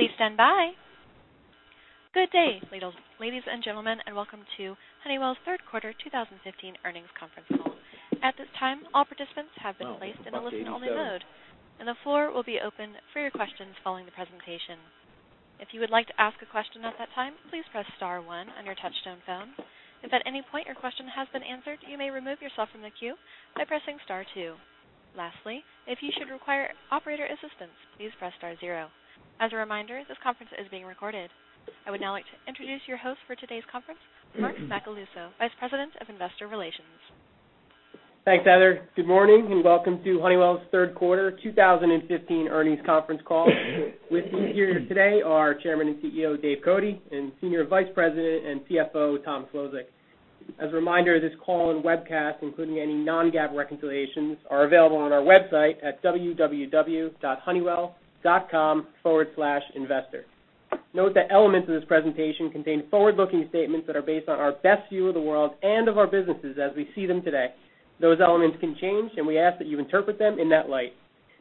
Please stand by. Good day, ladies and gentlemen, and welcome to Honeywell's third quarter 2015 earnings conference call. At this time, all participants have been placed in a listen only mode, and the floor will be open for your questions following the presentation. If you would like to ask a question at that time, please press star one on your touchtone phone. If at any point your question has been answered, you may remove yourself from the queue by pressing star two. Lastly, if you should require operator assistance, please press star zero. As a reminder, this conference is being recorded. I would now like to introduce your host for today's conference, Mark Macaluso, Vice President of Investor Relations. Thanks, Heather. Good morning and welcome to Honeywell's third quarter 2015 earnings conference call. With me here today are Chairman and CEO, Dave Cote, and Senior Vice President and CFO, Tom Szlosek. As a reminder, this call and webcast, including any non-GAAP reconciliations, are available on our website at www.honeywell.com/investor. Note that elements of this presentation contain forward-looking statements that are based on our best view of the world and of our businesses as we see them today. Those elements can change, and we ask that you interpret them in that light.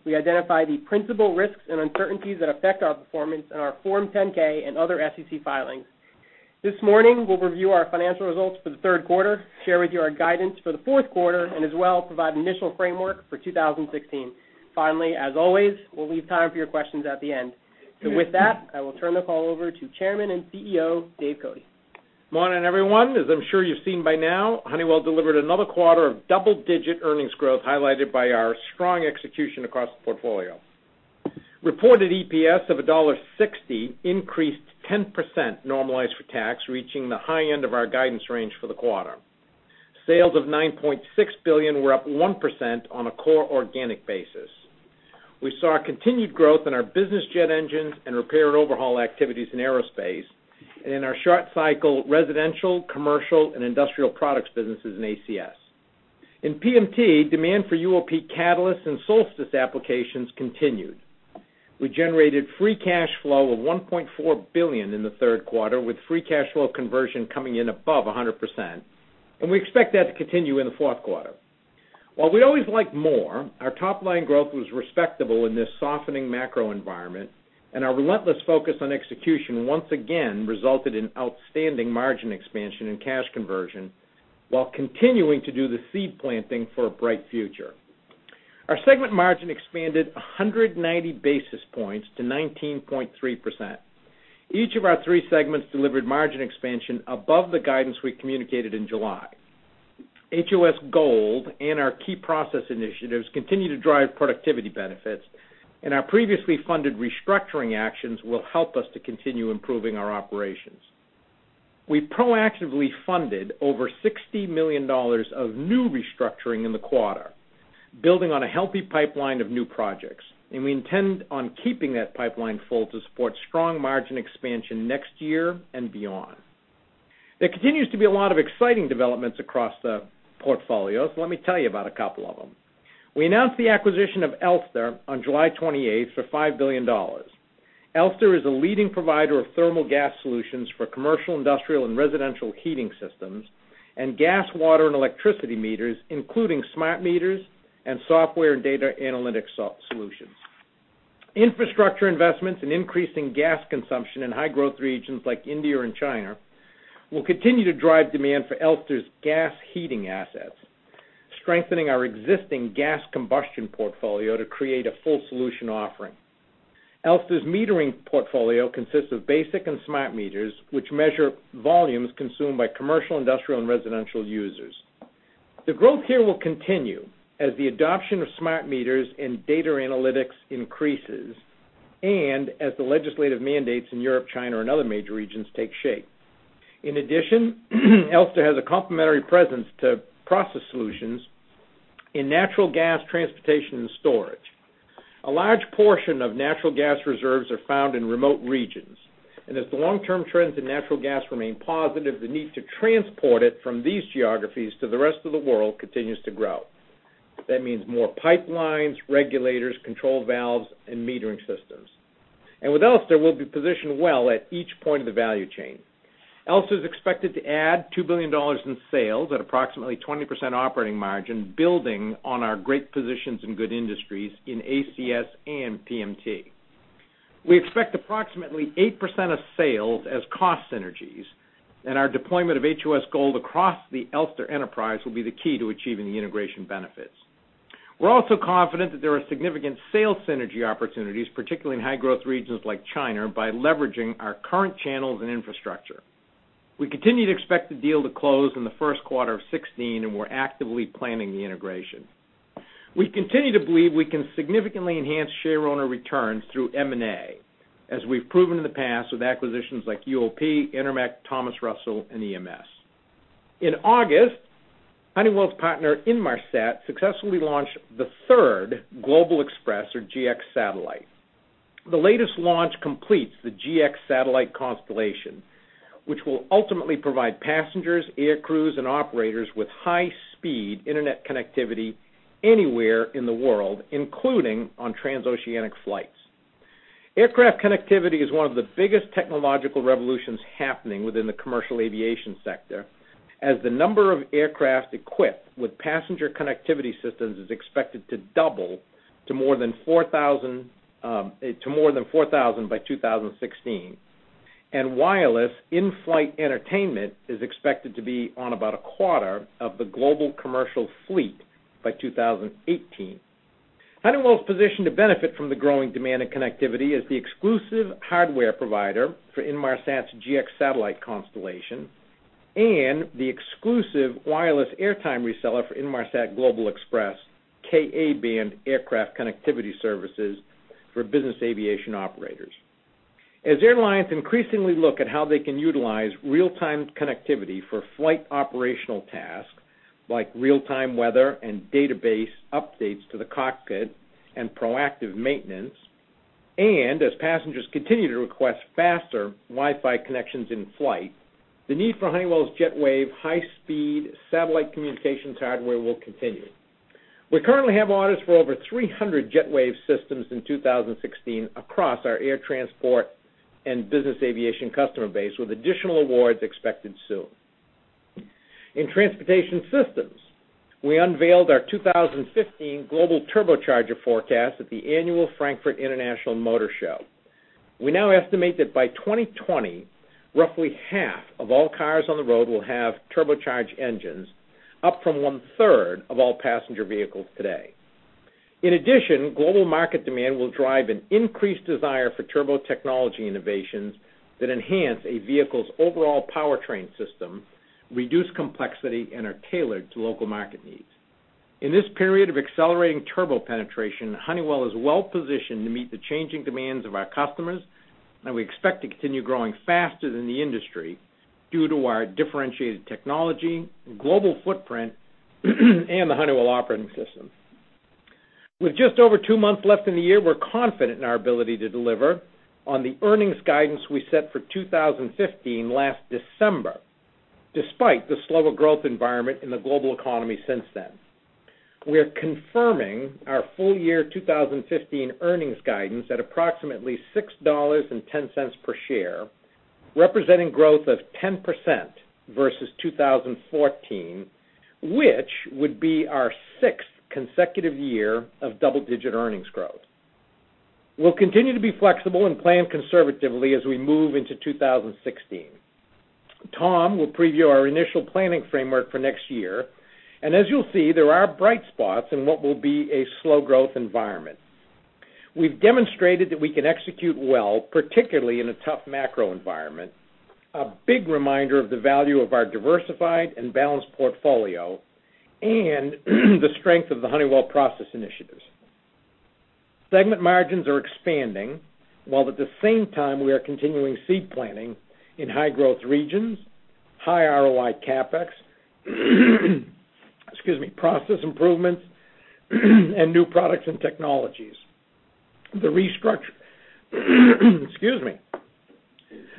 We identify the principal risks and uncertainties that affect our performance in our Form 10-K and other SEC filings. This morning, we'll review our financial results for the third quarter, share with you our guidance for the fourth quarter, and as well provide initial framework for 2016. Finally, as always, we'll leave time for your questions at the end. With that, I will turn the call over to Chairman and CEO, Dave Cote. Morning, everyone. As I'm sure you've seen by now, Honeywell delivered another quarter of double-digit earnings growth highlighted by our strong execution across the portfolio. Reported EPS of $1.60 increased 10% normalized for tax, reaching the high end of our guidance range for the quarter. Sales of $9.6 billion were up 1% on a core organic basis. We saw continued growth in our business jet engines and repair and overhaul activities in aerospace and in our short cycle residential, commercial, and industrial products businesses in ACS. In PMT, demand for UOP catalysts and Solstice applications continued. We generated free cash flow of $1.4 billion in the third quarter, with free cash flow conversion coming in above 100%, and we expect that to continue in the fourth quarter. While we always like more, our top-line growth was respectable in this softening macro environment. Our relentless focus on execution once again resulted in outstanding margin expansion and cash conversion while continuing to do the seed planting for a bright future. Our segment margin expanded 190 basis points to 19.3%. Each of our three segments delivered margin expansion above the guidance we communicated in July. HOS Gold and our key process initiatives continue to drive productivity benefits. Our previously funded restructuring actions will help us to continue improving our operations. We proactively funded over $60 million of new restructuring in the quarter, building on a healthy pipeline of new projects. We intend on keeping that pipeline full to support strong margin expansion next year and beyond. There continues to be a lot of exciting developments across the portfolio. Let me tell you about a couple of them. We announced the acquisition of Elster on July 28th for $5 billion. Elster is a leading provider of thermal gas solutions for commercial, industrial, and residential heating systems and gas, water, and electricity meters, including smart meters and software and data analytics solutions. Infrastructure investments and increasing gas consumption in high growth regions like India and China will continue to drive demand for Elster's gas heating assets, strengthening our existing gas combustion portfolio to create a full solution offering. Elster's metering portfolio consists of basic and smart meters, which measure volumes consumed by commercial, industrial, and residential users. The growth here will continue as the adoption of smart meters and data analytics increases and as the legislative mandates in Europe, China, and other major regions take shape. In addition, Elster has a complementary presence to process solutions in natural gas transportation and storage. A large portion of natural gas reserves are found in remote regions. As the long-term trends in natural gas remain positive, the need to transport it from these geographies to the rest of the world continues to grow. That means more pipelines, regulators, control valves, and metering systems. With Elster, we'll be positioned well at each point of the value chain. Elster is expected to add $2 billion in sales at approximately 20% operating margin, building on our great positions in good industries in ACS and PMT. We expect approximately 8% of sales as cost synergies. Our deployment of HOS Gold across the Elster enterprise will be the key to achieving the integration benefits. We're also confident that there are significant sales synergy opportunities, particularly in high growth regions like China, by leveraging our current channels and infrastructure. We continue to expect the deal to close in the first quarter of 2016. We're actively planning the integration. We continue to believe we can significantly enhance share owner returns through M&A, as we've proven in the past with acquisitions like UOP, Intermec, Thomas Russell, and EMS. In August, Honeywell's partner Inmarsat successfully launched the third Global Xpress, or GX satellite. The latest launch completes the GX satellite constellation, which will ultimately provide passengers, air crews, and operators with high-speed internet connectivity anywhere in the world, including on transoceanic flights. Aircraft connectivity is one of the biggest technological revolutions happening within the commercial aviation sector. As the number of aircraft equipped with passenger connectivity systems is expected to double to more than 4,000 by 2016, and wireless in-flight entertainment is expected to be on about a quarter of the global commercial fleet by 2018. Honeywell is positioned to benefit from the growing demand in connectivity as the exclusive hardware provider for Inmarsat's GX satellite constellation and the exclusive wireless airtime reseller for Inmarsat Global Xpress, Ka-band aircraft connectivity services for business aviation operators. As airlines increasingly look at how they can utilize real-time connectivity for flight operational tasks, like real-time weather and database updates to the cockpit and proactive maintenance, and as passengers continue to request faster Wi-Fi connections in flight, the need for Honeywell's JetWave high-speed satellite communications hardware will continue. We currently have orders for over 300 JetWave systems in 2016 across our air transport and business aviation customer base, with additional awards expected soon. In transportation systems, we unveiled our 2015 global turbocharger forecast at the annual Frankfurt International Motor Show. We now estimate that by 2020, roughly half of all cars on the road will have turbocharged engines, up from one-third of all passenger vehicles today. In addition, global market demand will drive an increased desire for turbo technology innovations that enhance a vehicle's overall powertrain system, reduce complexity, and are tailored to local market needs. In this period of accelerating turbo penetration, Honeywell is well-positioned to meet the changing demands of our customers, and we expect to continue growing faster than the industry due to our differentiated technology, global footprint, and the Honeywell Operating System. With just over two months left in the year, we're confident in our ability to deliver on the earnings guidance we set for 2015 last December, despite the slower growth environment in the global economy since then. We are confirming our full-year 2015 earnings guidance at approximately $6.10 per share, representing growth of 10% versus 2014, which would be our sixth consecutive year of double-digit earnings growth. We'll continue to be flexible and plan conservatively as we move into 2016. Tom will preview our initial planning framework for next year, and as you'll see, there are bright spots in what will be a slow growth environment. We've demonstrated that we can execute well, particularly in a tough macro environment, a big reminder of the value of our diversified and balanced portfolio and the strength of the Honeywell process initiatives. Segment margins are expanding, while at the same time, we are continuing seed planning in high-growth regions, high ROI CapEx, process improvements, and new products and technologies.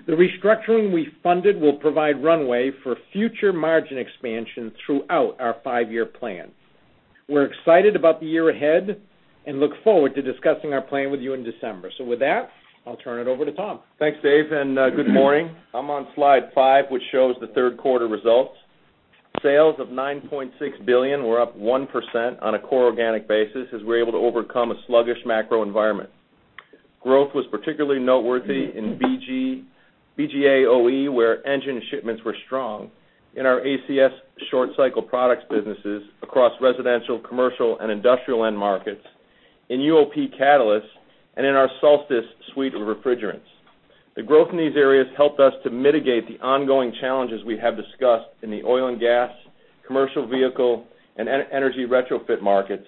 The restructuring we funded will provide runway for future margin expansion throughout our five-year plan. We're excited about the year ahead and look forward to discussing our plan with you in December. With that, I'll turn it over to Tom. Thanks, Dave, and good morning. I'm on slide five, which shows the third quarter results. Sales of $9.6 billion were up 1% on a core organic basis as we were able to overcome a sluggish macro environment. Growth was particularly noteworthy in BGA OE, where engine shipments were strong in our ACS short cycle products businesses across residential, commercial, and industrial end markets, in UOP catalysts, and in our Solstice suite of refrigerants. The growth in these areas helped us to mitigate the ongoing challenges we have discussed in the oil and gas, commercial vehicle, and energy retrofit markets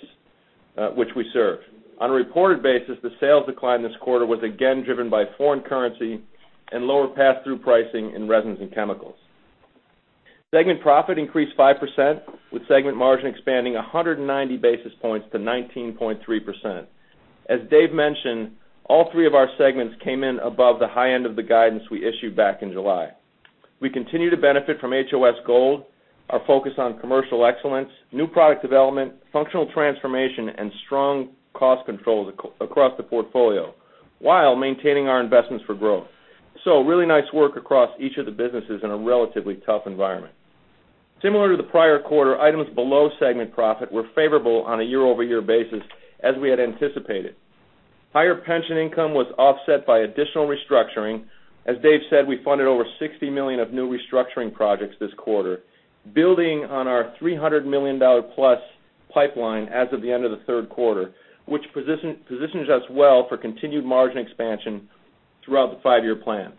which we serve. On a reported basis, the sales decline this quarter was again driven by foreign currency and lower pass-through pricing in Resins and Chemicals. Segment profit increased 5%, with segment margin expanding 190 basis points to 19.3%. As Dave mentioned, all three of our segments came in above the high end of the guidance we issued back in July. We continue to benefit from HOS Gold, our focus on commercial excellence, new product development, functional transformation, and strong cost controls across the portfolio while maintaining our investments for growth. Really nice work across each of the businesses in a relatively tough environment. Similar to the prior quarter, items below segment profit were favorable on a year-over-year basis, as we had anticipated. Higher pension income was offset by additional restructuring. As Dave said, we funded over $60 million of new restructuring projects this quarter, building on our $300 million-plus pipeline as of the end of the third quarter, which positions us well for continued margin expansion throughout the five-year plan.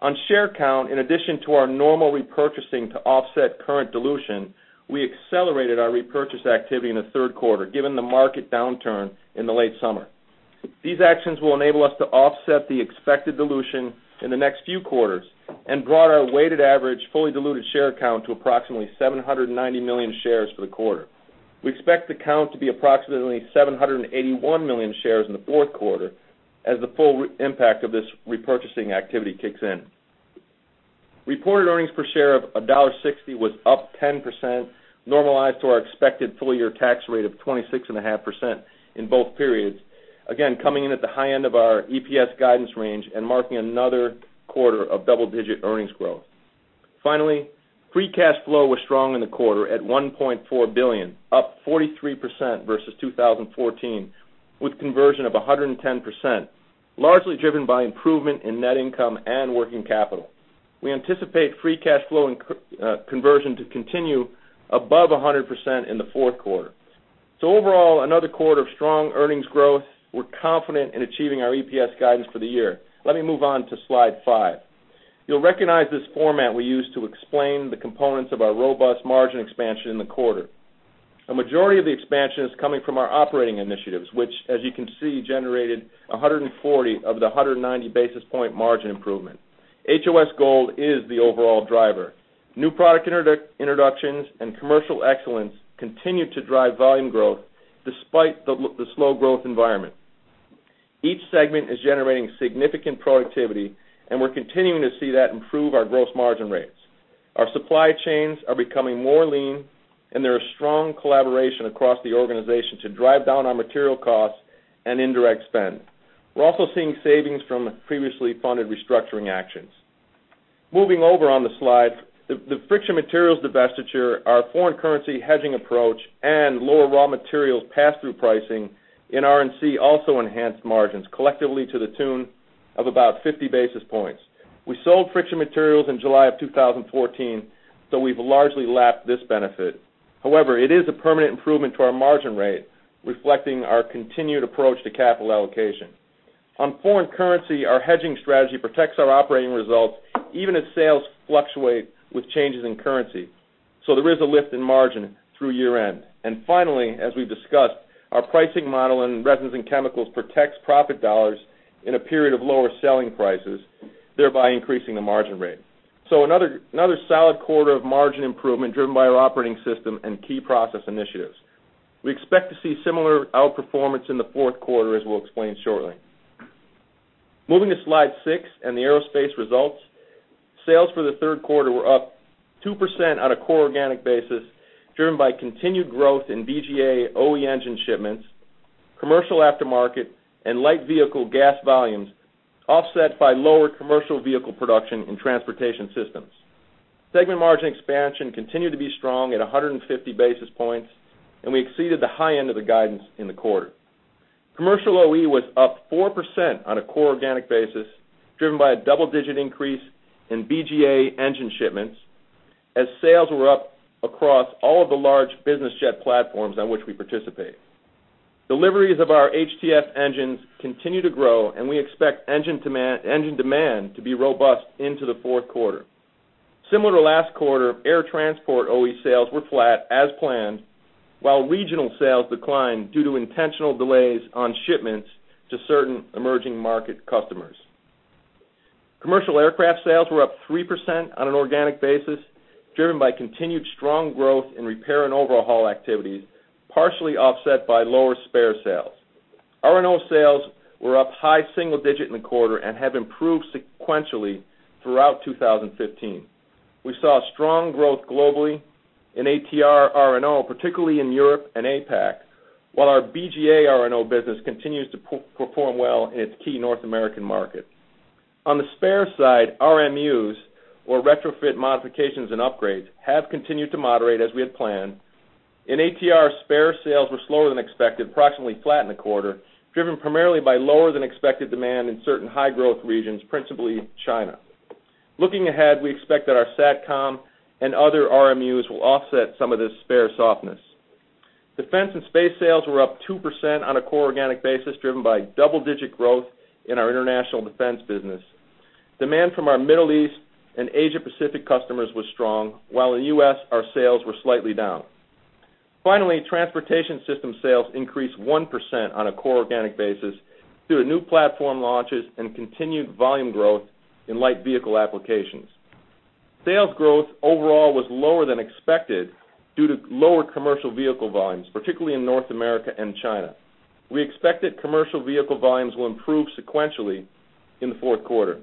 On share count, in addition to our normal repurchasing to offset current dilution, we accelerated our repurchase activity in the third quarter, given the market downturn in the late summer. These actions will enable us to offset the expected dilution in the next few quarters and brought our weighted average, fully diluted share count to approximately 790 million shares for the quarter. We expect the count to be approximately 781 million shares in the fourth quarter as the full impact of this repurchasing activity kicks in. Reported earnings per share of $1.60 was up 10%, normalized to our expected full-year tax rate of 26.5% in both periods. Again, coming in at the high end of our EPS guidance range and marking another quarter of double-digit earnings growth. Finally, free cash flow was strong in the quarter at $1.4 billion, up 43% versus 2014, with conversion of 110%, largely driven by improvement in net income and working capital. We anticipate free cash flow conversion to continue above 100% in the fourth quarter. Overall, another quarter of strong earnings growth. We're confident in achieving our EPS guidance for the year. Let me move on to slide five. You'll recognize this format we use to explain the components of our robust margin expansion in the quarter. A majority of the expansion is coming from our operating initiatives, which, as you can see, generated 140 of the 190 basis point margin improvement. HOS Gold is the overall driver. New product introductions and commercial excellence continue to drive volume growth despite the slow growth environment. Each segment is generating significant productivity, we're continuing to see that improve our gross margin rates. Our supply chains are becoming more lean, there is strong collaboration across the organization to drive down our material costs and indirect spend. We're also seeing savings from previously funded restructuring actions. Moving over on the slide, the friction materials divestiture, our foreign currency hedging approach, and lower raw materials pass-through pricing in R&C also enhanced margins collectively to the tune of about 50 basis points. We sold friction materials in July of 2014, so we've largely lapped this benefit. However, it is a permanent improvement to our margin rate, reflecting our continued approach to capital allocation. On foreign currency, our hedging strategy protects our operating results even as sales fluctuate with changes in currency. There is a lift in margin through year-end. Finally, as we've discussed, our pricing model in Resins and Chemicals protects profit dollars in a period of lower selling prices, thereby increasing the margin rate. Another solid quarter of margin improvement driven by our operating system and key process initiatives. We expect to see similar outperformance in the fourth quarter, as we'll explain shortly. Moving to Slide 6 and the aerospace results. Sales for the third quarter were up 2% on a core organic basis, driven by continued growth in BGA OE engine shipments, commercial aftermarket, and light vehicle gas volumes, offset by lower commercial vehicle production and transportation systems. Segment margin expansion continued to be strong at 150 basis points, we exceeded the high end of the guidance in the quarter. Commercial OE was up 4% on a core organic basis, driven by a double-digit increase in BGA engine shipments as sales were up across all of the large business jet platforms on which we participate. Deliveries of our HTF engines continue to grow, we expect engine demand to be robust into the fourth quarter. Similar to last quarter, air transport OE sales were flat as planned, while regional sales declined due to intentional delays on shipments to certain emerging market customers. Commercial aircraft sales were up 3% on an organic basis, driven by continued strong growth in repair and overhaul activities, partially offset by lower spare sales. R&O sales were up high single digit in the quarter and have improved sequentially throughout 2015. We saw strong growth globally in ATR R&O, particularly in Europe and APAC, while our BGA R&O business continues to perform well in its key North American market. On the spare side, RMUs, or retrofit modifications and upgrades, have continued to moderate as we had planned. In ATR, spare sales were slower than expected, approximately flat in the quarter, driven primarily by lower than expected demand in certain high-growth regions, principally China. Looking ahead, we expect that our SATCOM and other RMUs will offset some of this spare softness. Defense & Space sales were up 2% on a core organic basis, driven by double-digit growth in our international defense business. Demand from our Middle East and Asia Pacific customers was strong, while in the U.S., our sales were slightly down. Transportation system sales increased 1% on a core organic basis due to new platform launches and continued volume growth in light vehicle applications. Sales growth overall was lower than expected due to lower commercial vehicle volumes, particularly in North America and China. We expect that commercial vehicle volumes will improve sequentially in the fourth quarter.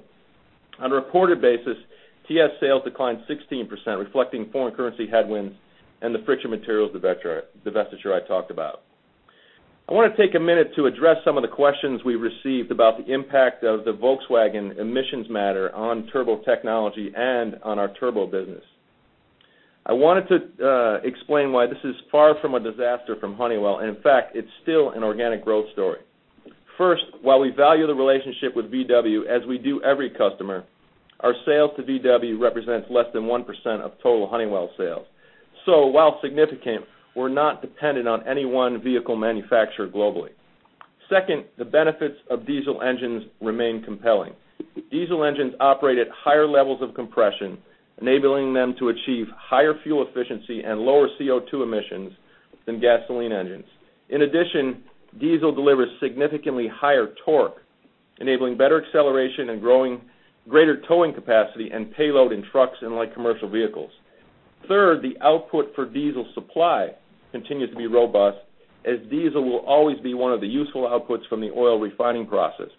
On a reported basis, TS sales declined 16%, reflecting foreign currency headwinds and the friction materials divestiture I talked about. I want to take a minute to address some of the questions we received about the impact of the Volkswagen emissions matter on turbo technology and on our turbo business. I wanted to explain why this is far from a disaster from Honeywell, and in fact, it's still an organic growth story. While we value the relationship with VW as we do every customer, our sales to VW represents less than 1% of total Honeywell sales. While significant, we're not dependent on any one vehicle manufacturer globally. The benefits of diesel engines remain compelling. Diesel engines operate at higher levels of compression, enabling them to achieve higher fuel efficiency and lower CO2 emissions than gasoline engines. In addition, diesel delivers significantly higher torque, enabling better acceleration and greater towing capacity and payload in trucks and light commercial vehicles. The output for diesel supply continues to be robust, as diesel will always be one of the useful outputs from the oil refining process.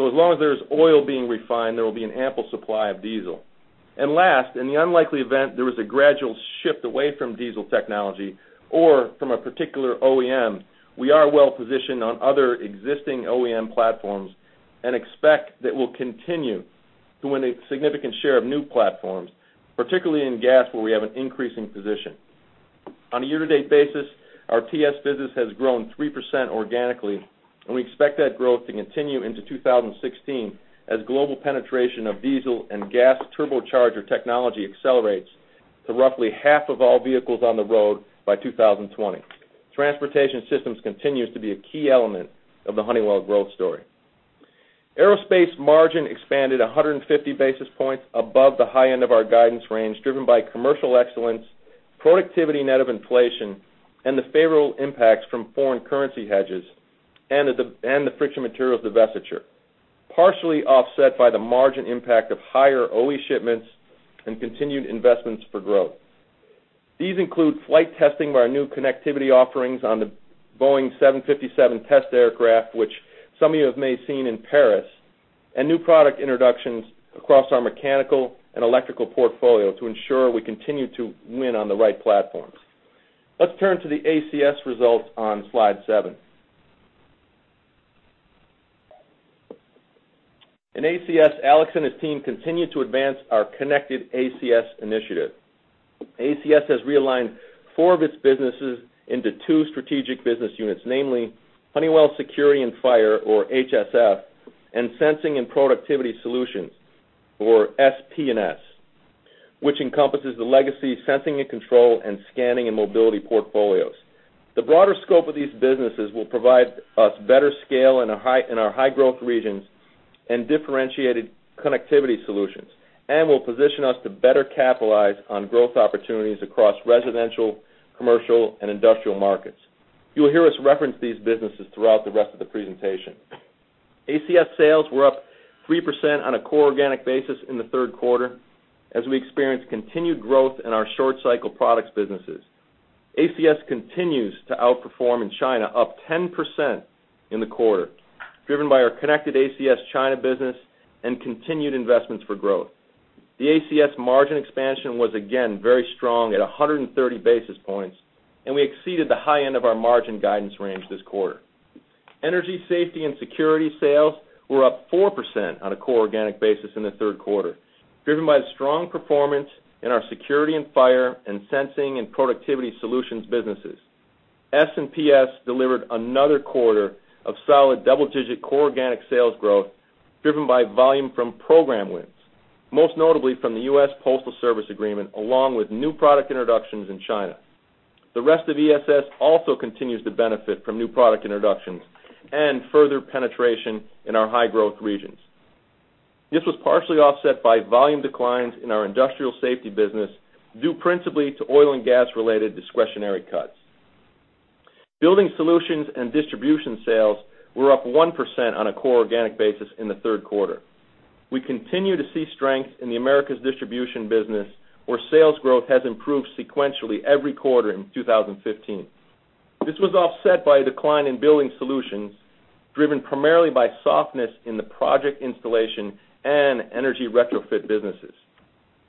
As long as there is oil being refined, there will be an ample supply of diesel. Last, in the unlikely event there was a gradual shift away from diesel technology or from a particular OEM, we are well-positioned on other existing OEM platforms and expect that we'll continue to win a significant share of new platforms, particularly in gas, where we have an increasing position. On a year-to-date basis, our TS business has grown 3% organically, and we expect that growth to continue into 2016 as global penetration of diesel and gas turbocharger technology accelerates to roughly half of all vehicles on the road by 2020. Transportation systems continues to be a key element of the Honeywell growth story. Aerospace margin expanded 150 basis points above the high end of our guidance range, driven by commercial excellence, productivity net of inflation, and the favorable impacts from foreign currency hedges and the friction materials divestiture, partially offset by the margin impact of higher OE shipments and continued investments for growth. These include flight testing of our new connectivity offerings on the Boeing 757 test aircraft, which some of you have may seen in Paris, and new product introductions across our mechanical and electrical portfolio to ensure we continue to win on the right platforms. Let's turn to the ACS results on slide seven. In ACS, Alex and his team continue to advance our connected ACS initiative. ACS has realigned four of its businesses into two strategic business units, namely Honeywell Security and Fire, or HSF, and Sensing and Productivity Solutions, or S&PS, which encompasses the legacy sensing and control and scanning and mobility portfolios. The broader scope of these businesses will provide us better scale in our high-growth regions and differentiated connectivity solutions, and will position us to better capitalize on growth opportunities across residential, commercial, and industrial markets. You will hear us reference these businesses throughout the rest of the presentation. ACS sales were up 3% on a core organic basis in the third quarter, as we experienced continued growth in our short-cycle products businesses. ACS continues to outperform in China, up 10% in the quarter, driven by our Connected ACS China business and continued investments for growth. The ACS margin expansion was again very strong at 130 basis points, and we exceeded the high end of our margin guidance range this quarter. Energy, Safety, and Security sales were up 4% on a core organic basis in the third quarter, driven by the strong performance in our Honeywell Security and Fire and Sensing and Productivity Solutions businesses. S&PS delivered another quarter of solid double-digit core organic sales growth, driven by volume from program wins, most notably from the U.S. Postal Service agreement, along with new product introductions in China. The rest of ESS also continues to benefit from new product introductions and further penetration in our high-growth regions. This was partially offset by volume declines in our industrial safety business, due principally to oil and gas-related discretionary cuts. Building Solutions and Distribution sales were up 1% on a core organic basis in the third quarter. We continue to see strength in the Americas distribution business, where sales growth has improved sequentially every quarter in 2015. This was offset by a decline in Honeywell Building Solutions, driven primarily by softness in the project installation and energy retrofit businesses.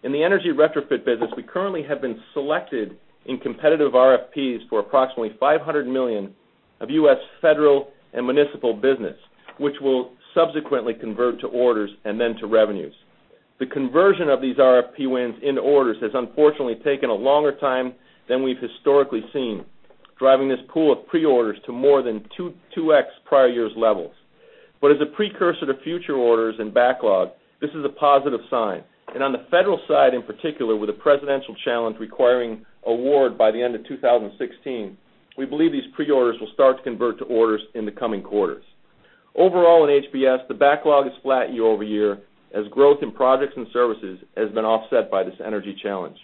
In the energy retrofit business, we currently have been selected in competitive RFPs for approximately $500 million of U.S. federal and municipal business, which will subsequently convert to orders and then to revenues. The conversion of these RFP wins into orders has unfortunately taken a longer time than we've historically seen, driving this pool of pre-orders to more than 2X prior year's levels. But as a precursor to future orders and backlog, this is a positive sign. On the federal side in particular, with a presidential challenge requiring award by the end of 2016, we believe these pre-orders will start to convert to orders in the coming quarters. Overall in HBS, the backlog is flat year-over-year, as growth in products and services has been offset by this energy challenge.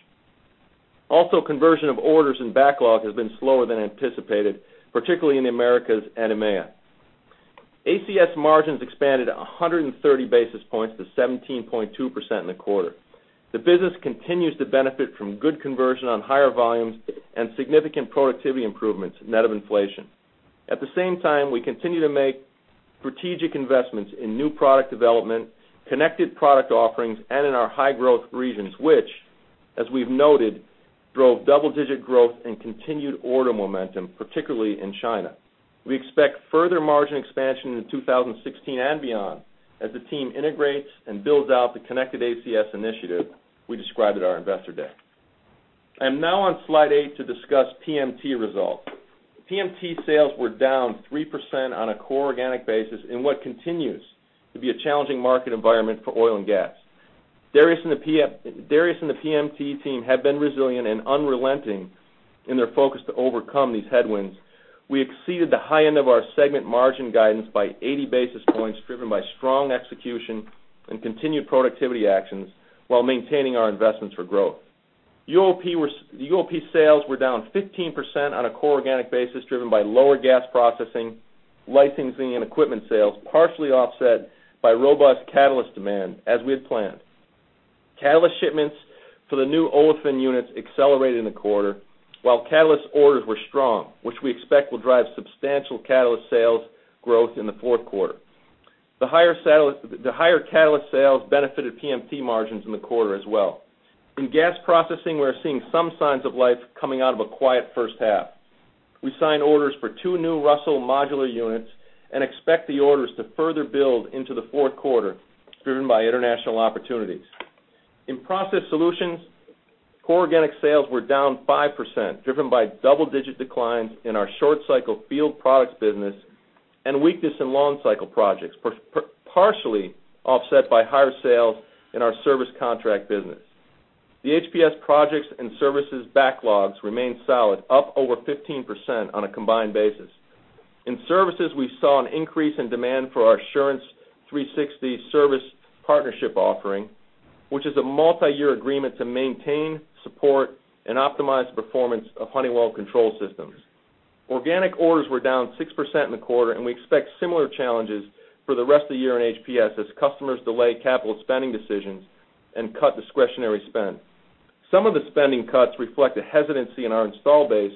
Also, conversion of orders and backlog has been slower than anticipated, particularly in the Americas and EMEA. ACS margins expanded 130 basis points to 17.2% in the quarter. The business continues to benefit from good conversion on higher volumes and significant productivity improvements net of inflation. At the same time, we continue to make strategic investments in new product development, connected product offerings, and in our high-growth regions, which, as we've noted, drove double-digit growth and continued order momentum, particularly in China. We expect further margin expansion in 2016 and beyond as the team integrates and builds out the Connected ACS initiative we described at our investor day. I am now on slide eight to discuss PMT results. PMT sales were down 3% on a core organic basis in what continues to be a challenging market environment for oil and gas. Darius and the PMT team have been resilient and unrelenting in their focus to overcome these headwinds. We exceeded the high end of our segment margin guidance by 80 basis points, driven by strong execution and continued productivity actions while maintaining our investments for growth. UOP sales were down 15% on a core organic basis, driven by lower gas processing, licensing, and equipment sales, partially offset by robust catalyst demand as we had planned. Catalyst shipments for the new olefin units accelerated in the quarter, while catalyst orders were strong, which we expect will drive substantial catalyst sales growth in the fourth quarter. The higher catalyst sales benefited PMT margins in the quarter as well. In gas processing, we're seeing some signs of life coming out of a quiet first half. We signed orders for two new Russell modular units and expect the orders to further build into the fourth quarter, driven by international opportunities. In Process Solutions, core organic sales were down 5%, driven by double-digit declines in our short-cycle field products business and weakness in long-cycle projects, partially offset by higher sales in our service contract business. The HPS projects and services backlogs remain solid, up over 15% on a combined basis. In services, we saw an increase in demand for our Assurance 360 service partnership offering, which is a multi-year agreement to maintain, support, and optimize performance of Honeywell control systems. Organic orders were down 6% in the quarter, and we expect similar challenges for the rest of the year in HPS as customers delay capital spending decisions and cut discretionary spend. Some of the spending cuts reflect a hesitancy in our install base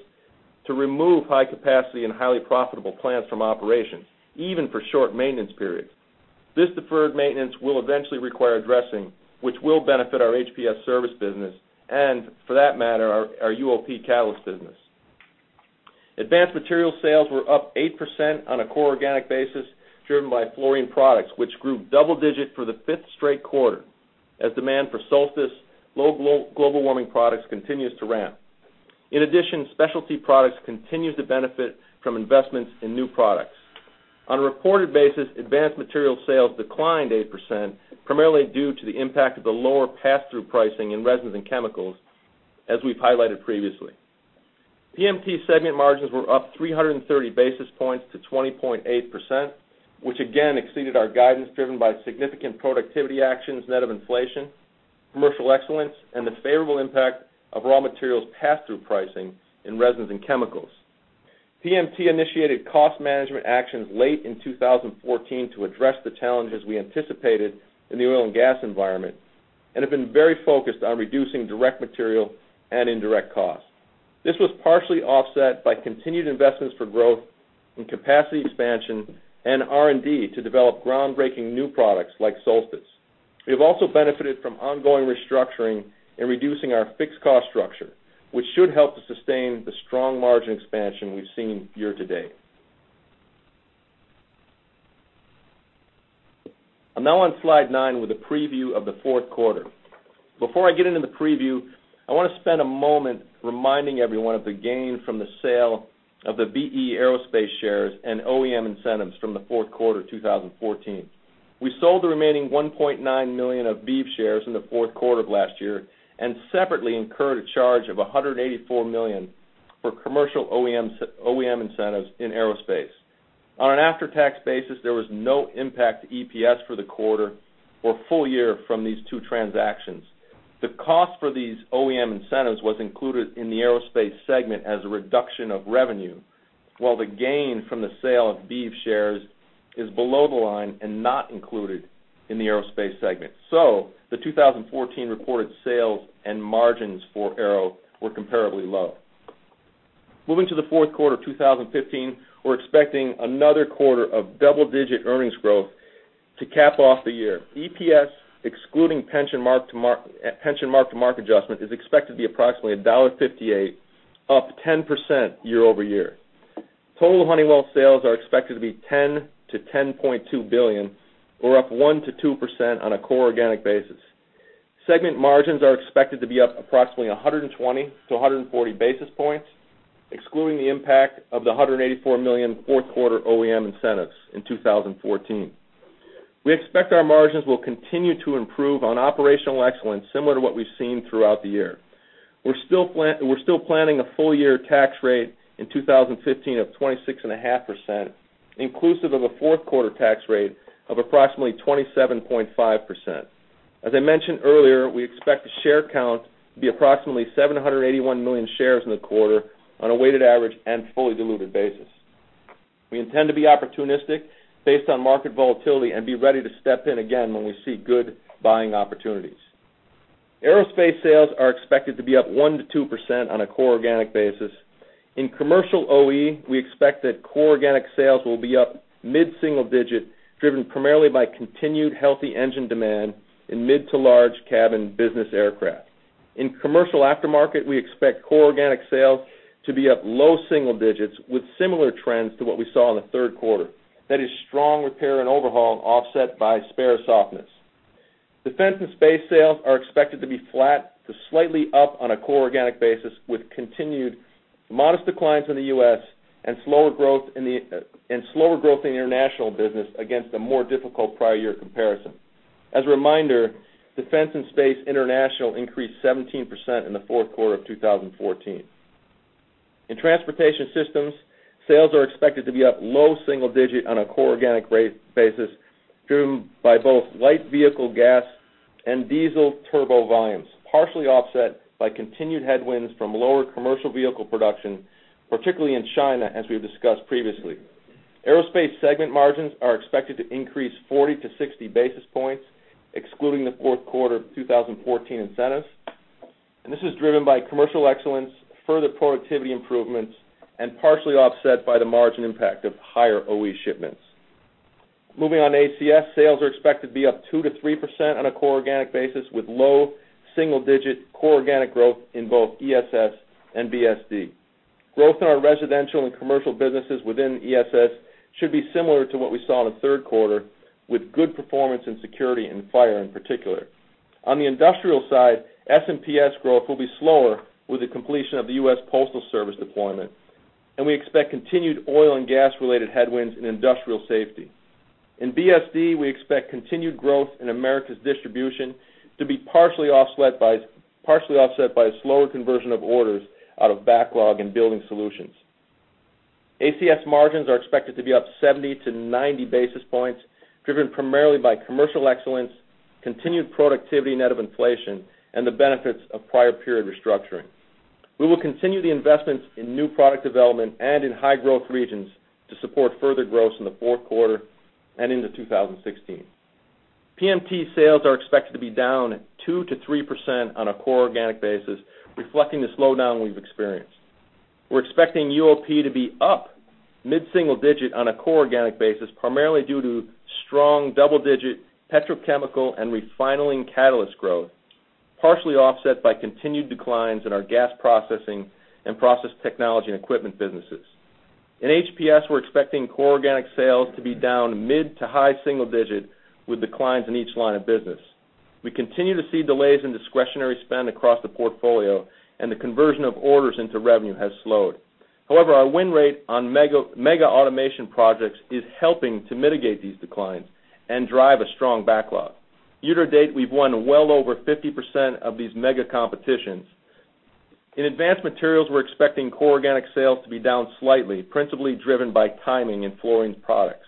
to remove high capacity and highly profitable plants from operations, even for short maintenance periods. This deferred maintenance will eventually require addressing, which will benefit our HPS service business and, for that matter, our UOP catalyst business. Advanced Materials sales were up 8% on a core organic basis, driven by Fluorine Products, which grew double-digit for the fifth straight quarter as demand for Solstice global warming products continues to ramp. In addition, specialty products continue to benefit from investments in new products. On a reported basis, advanced material sales declined 8%, primarily due to the impact of the lower pass-through pricing in Resins and Chemicals, as we've highlighted previously. PMT segment margins were up 330 basis points to 20.8%, which again exceeded our guidance driven by significant productivity actions net of inflation, commercial excellence, and the favorable impact of raw materials pass-through pricing in Resins and Chemicals. PMT initiated cost management actions late in 2014 to address the challenges we anticipated in the oil and gas environment and have been very focused on reducing direct material and indirect costs. This was partially offset by continued investments for growth in capacity expansion and R&D to develop groundbreaking new products like Solstice. We have also benefited from ongoing restructuring and reducing our fixed cost structure, which should help to sustain the strong margin expansion we've seen year-to-date. I'm now on slide nine with a preview of the fourth quarter. Before I get into the preview, I want to spend a moment reminding everyone of the gain from the sale of the B/E Aerospace shares and OEM incentives from the fourth quarter 2014. We sold the remaining $1.9 million of BEAV shares in the fourth quarter of last year and separately incurred a charge of $184 million for commercial OEM incentives in Aerospace. On an after-tax basis, there was no impact to EPS for the quarter or full year from these two transactions. The cost for these OEM incentives was included in the Aerospace segment as a reduction of revenue, while the gain from the sale of BEAV shares is below the line and not included in the Aerospace segment. The 2014 reported sales and margins for Aerospace were comparably low. Moving to the fourth quarter of 2015, we're expecting another quarter of double-digit earnings growth to cap off the year. EPS, excluding pension mark-to-market adjustment, is expected to be approximately $1.58, up 10% year-over-year. Total Honeywell sales are expected to be $10 billion-$10.2 billion, or up 1%-2% on a core organic basis. Segment margins are expected to be up approximately 120-140 basis points, excluding the impact of the $184 million fourth quarter OEM incentives in 2014. We expect our margins will continue to improve on operational excellence, similar to what we've seen throughout the year. We're still planning a full-year tax rate in 2015 of 26.5%, inclusive of a fourth quarter tax rate of approximately 27.5%. As I mentioned earlier, we expect the share count to be approximately 781 million shares in the quarter on a weighted average and fully diluted basis. We intend to be opportunistic based on market volatility and be ready to step in again when we see good buying opportunities. Aerospace sales are expected to be up 1%-2% on a core organic basis. In commercial OE, we expect that core organic sales will be up mid-single-digit, driven primarily by continued healthy engine demand in mid to large cabin business aircraft. In commercial aftermarket, we expect core organic sales to be up low-single-digits with similar trends to what we saw in the third quarter. That is strong repair and overhaul offset by spare softness. Defense & Space sales are expected to be flat to slightly up on a core organic basis, with continued modest declines in the U.S. and slower growth in the international business against a more difficult prior year comparison. As a reminder, Defense & Space International increased 17% in the fourth quarter of 2014. In transportation systems, sales are expected to be up low-single-digit on a core organic basis driven by both light vehicle gas and diesel turbo volumes, partially offset by continued headwinds from lower commercial vehicle production, particularly in China, as we have discussed previously. Aerospace segment margins are expected to increase 40-60 basis points, excluding the fourth quarter of 2014 incentives. This is driven by commercial excellence, further productivity improvements, and partially offset by the margin impact of higher OE shipments. Moving on to ACS, sales are expected to be up 2%-3% on a core organic basis, with low-single-digit core organic growth in both ESS and BSD. Growth in our residential and commercial businesses within ESS should be similar to what we saw in the third quarter, with good performance in Security and Fire in particular. On the industrial side, S&PS growth will be slower with the completion of the U.S. Postal Service deployment, and we expect continued oil and gas-related headwinds in industrial safety. In BSD, we expect continued growth in Americas Distribution to be partially offset by slower conversion of orders out of backlog and Building Solutions. ACS margins are expected to be up 70-90 basis points, driven primarily by commercial excellence, continued productivity net of inflation, and the benefits of prior period restructuring. We will continue the investments in new product development and in high-growth regions to support further growth in the fourth quarter and into 2016. PMT sales are expected to be down 2%-3% on a core organic basis, reflecting the slowdown we've experienced. We're expecting UOP to be up mid-single digit on a core organic basis, primarily due to strong double-digit petrochemical and refining catalyst growth, partially offset by continued declines in our gas processing and process technology and equipment businesses. In HPS, we're expecting core organic sales to be down mid to high single digit with declines in each line of business. We continue to see delays in discretionary spend across the portfolio, and the conversion of orders into revenue has slowed. However, our win rate on mega automation projects is helping to mitigate these declines and drive a strong backlog. Year to date, we've won well over 50% of these mega competitions. In advanced materials, we're expecting core organic sales to be down slightly, principally driven by timing in Fluorine Products.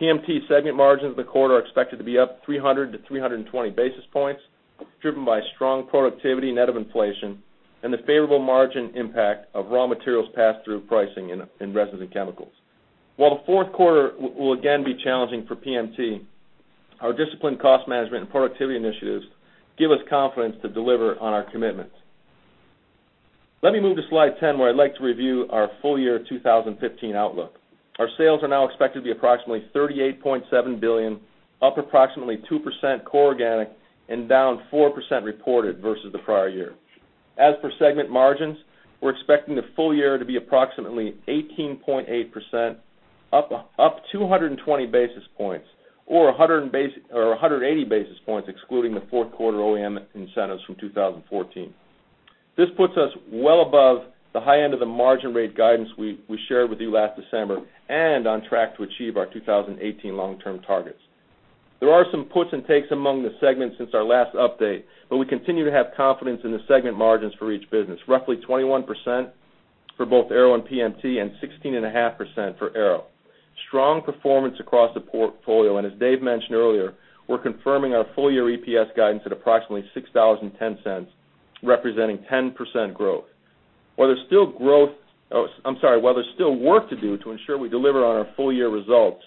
PMT segment margins in the quarter are expected to be up 300-320 basis points, driven by strong productivity net of inflation and the favorable margin impact of raw materials passed through pricing in Resins and Chemicals. While the fourth quarter will again be challenging for PMT, our disciplined cost management and productivity initiatives give us confidence to deliver on our commitments. Let me move to slide 10, where I'd like to review our full year 2015 outlook. Our sales are now expected to be approximately $38.7 billion, up approximately 2% core organic and down 4% reported versus the prior year. As for segment margins, we're expecting the full year to be approximately 18.8%, up 220 basis points or 180 basis points, excluding the fourth quarter OEM incentives from 2014. This puts us well above the high end of the margin rate guidance we shared with you last December and on track to achieve our 2018 long-term targets. There are some puts and takes among the segments since our last update, but we continue to have confidence in the segment margins for each business, roughly 21% for both Aero and PMT and 16.5% for Aero. Strong performance across the portfolio, and as Dave mentioned earlier, we're confirming our full-year EPS guidance at approximately $6.10, representing 10% growth. While there's still work to do to ensure we deliver on our full-year results,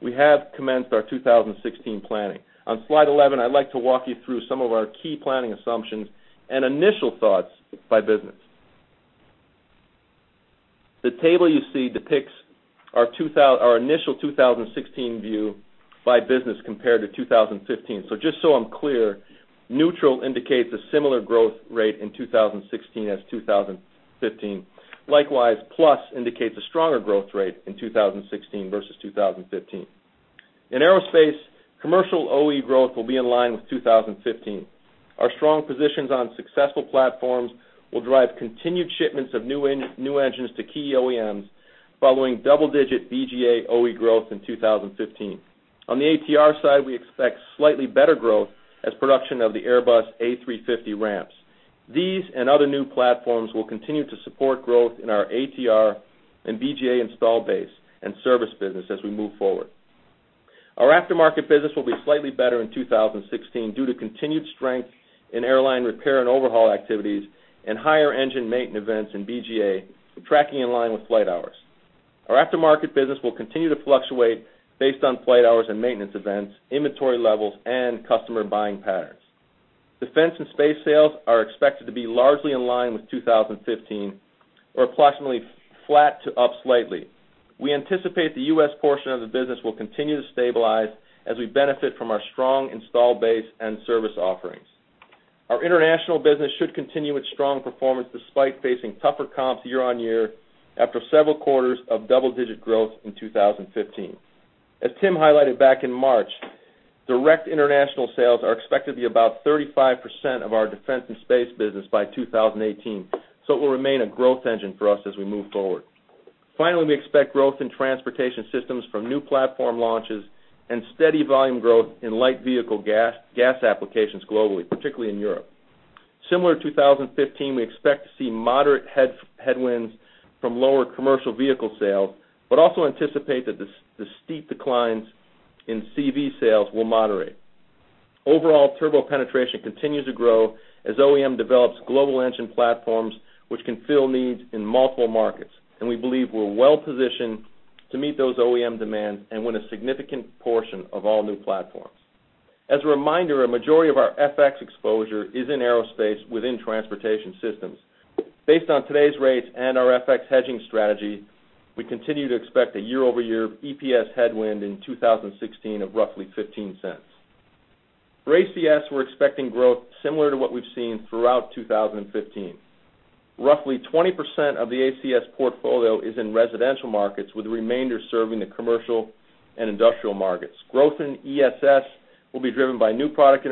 we have commenced our 2016 planning. On slide 11, I'd like to walk you through some of our key planning assumptions and initial thoughts by business. The table you see depicts our initial 2016 view by business compared to 2015. Just so I'm clear, neutral indicates a similar growth rate in 2016 as 2015. Likewise, plus indicates a stronger growth rate in 2016 versus 2015. In Aerospace, commercial OE growth will be in line with 2015. Our strong positions on successful platforms will drive continued shipments of new engines to key OEMs following double-digit BGA OE growth in 2015. On the ATR side, we expect slightly better growth as production of the Airbus A350 ramps. These and other new platforms will continue to support growth in our ATR and BGA installed base and service business as we move forward. Our aftermarket business will be slightly better in 2016 due to continued strength in airline repair and overhaul activities and higher engine maintenance events in BGA, tracking in line with flight hours. Our aftermarket business will continue to fluctuate based on flight hours and maintenance events, inventory levels, and customer buying patterns. Defense & Space sales are expected to be largely in line with 2015 or approximately flat to up slightly. We anticipate the U.S. portion of the business will continue to stabilize as we benefit from our strong installed base and service offerings. Our international business should continue its strong performance despite facing tougher comps year-on-year after several quarters of double-digit growth in 2015. As Tim highlighted back in March, direct international sales are expected to be about 35% of our Defense & Space business by 2018. It will remain a growth engine for us as we move forward. Finally, we expect growth in transportation systems from new platform launches and steady volume growth in light vehicle gas applications globally, particularly in Europe. Similar to 2015, we expect to see moderate headwinds from lower commercial vehicle sales. Also anticipate that the steep declines in CV sales will moderate. Overall turbo penetration continues to grow as OEM develops global engine platforms, which can fill needs in multiple markets, and we believe we're well positioned to meet those OEM demands and win a significant portion of all new platforms. As a reminder, a majority of our FX exposure is in Aerospace within transportation systems. Based on today's rates and our FX hedging strategy, we continue to expect a year-over-year EPS headwind in 2016 of roughly $0.15. For ACS, we're expecting growth similar to what we've seen throughout 2015. Roughly 20% of the ACS portfolio is in residential markets, with the remainder serving the commercial and industrial markets. Growth in ESS will be driven by new product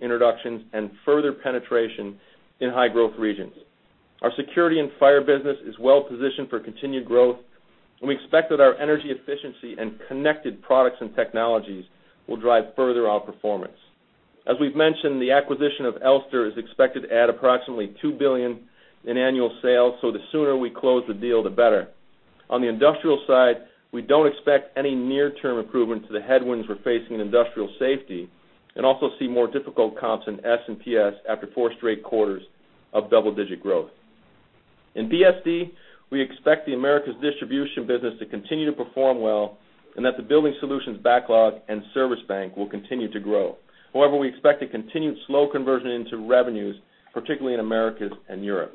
introductions and further penetration in high growth regions. Our Security and Fire business is well positioned for continued growth, and we expect that our energy efficiency and connected products and technologies will drive further outperformance. As we've mentioned, the acquisition of Elster is expected to add approximately $2 billion in annual sales. The sooner we close the deal, the better. On the industrial side, we don't expect any near-term improvement to the headwinds we're facing in industrial safety and also see more difficult comps in S&PS after four straight quarters of double-digit growth. In BSD, we expect the Americas distribution business to continue to perform well and that the Building Solutions backlog and service bank will continue to grow. However, we expect a continued slow conversion into revenues, particularly in Americas and Europe.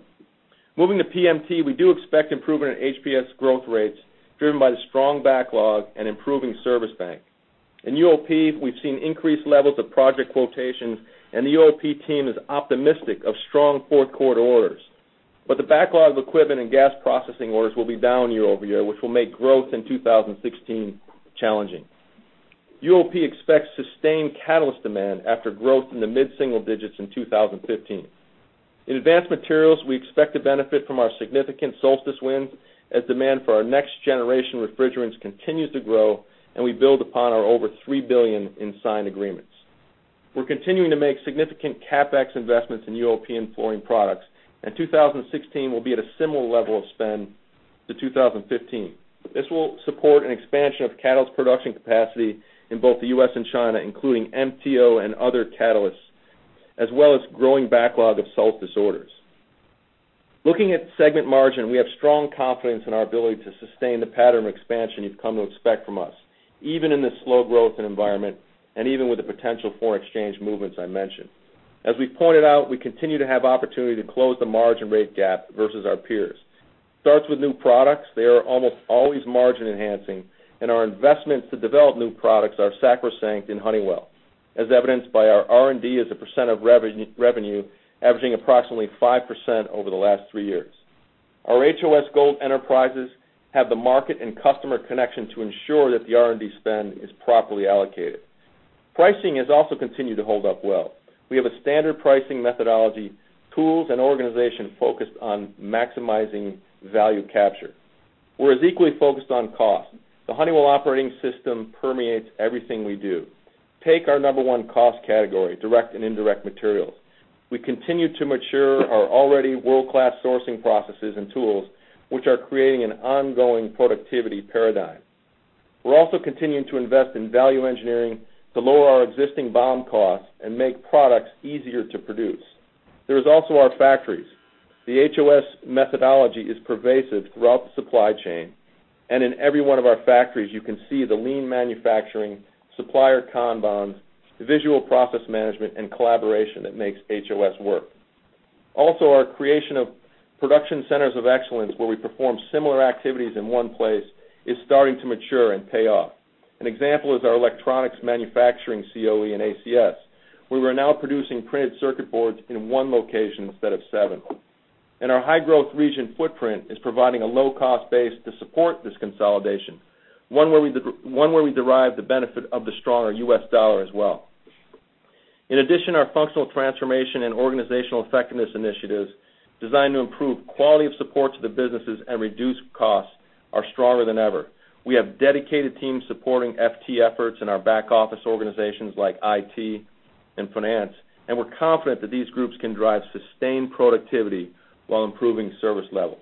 Moving to PMT, we do expect improvement in HPS growth rates driven by the strong backlog and improving service bank. In UOP, we've seen increased levels of project quotations, and the UOP team is optimistic of strong fourth quarter orders. The backlog of equipment and gas processing orders will be down year-over-year, which will make growth in 2016 challenging. UOP expects sustained catalyst demand after growth in the mid-single digits in 2015. In advanced materials, we expect to benefit from our significant Solstice wins as demand for our next generation refrigerants continues to grow, and we build upon our over $3 billion in signed agreements. We're continuing to make significant CapEx investments in UOP and Fluorine Products, and 2016 will be at a similar level of spend to 2015. This will support an expansion of catalyst production capacity in both the U.S. and China, including MTO and other catalysts, as well as growing backlog of Solstice orders. Looking at segment margin, we have strong confidence in our ability to sustain the pattern of expansion you've come to expect from us, even in this slow growth environment and even with the potential foreign exchange movements I mentioned. As we pointed out, we continue to have opportunity to close the margin rate gap versus our peers. It starts with new products. They are almost always margin enhancing, and our investments to develop new products are sacrosanct in Honeywell, as evidenced by our R&D as a percent of revenue averaging approximately 5% over the last three years. Our HOS Gold enterprises have the market and customer connection to ensure that the R&D spend is properly allocated. Pricing has also continued to hold up well. We have a standard pricing methodology, tools, and organization focused on maximizing value capture. We're as equally focused on cost. The Honeywell Operating System permeates everything we do. Take our number one cost category, direct and indirect materials. We continue to mature our already world-class sourcing processes and tools, which are creating an ongoing productivity paradigm. We're also continuing to invest in value engineering to lower our existing BOM costs and make products easier to produce. There is also our factories. The HOS methodology is pervasive throughout the supply chain, and in every one of our factories, you can see the lean manufacturing, supplier kanbans, visual process management, and collaboration that makes HOS work. Also, our creation of production centers of excellence, where we perform similar activities in one place, is starting to mature and pay off. An example is our electronics manufacturing COE in ACS, where we're now producing printed circuit boards in one location instead of seven. Our high growth region footprint is providing a low cost base to support this consolidation, one where we derive the benefit of the stronger U.S. dollar as well. In addition, our functional transformation and organizational effectiveness initiatives designed to improve quality of support to the businesses and reduce costs are stronger than ever. We have dedicated teams supporting FT efforts in our back office organizations like IT and finance, and we're confident that these groups can drive sustained productivity while improving service levels.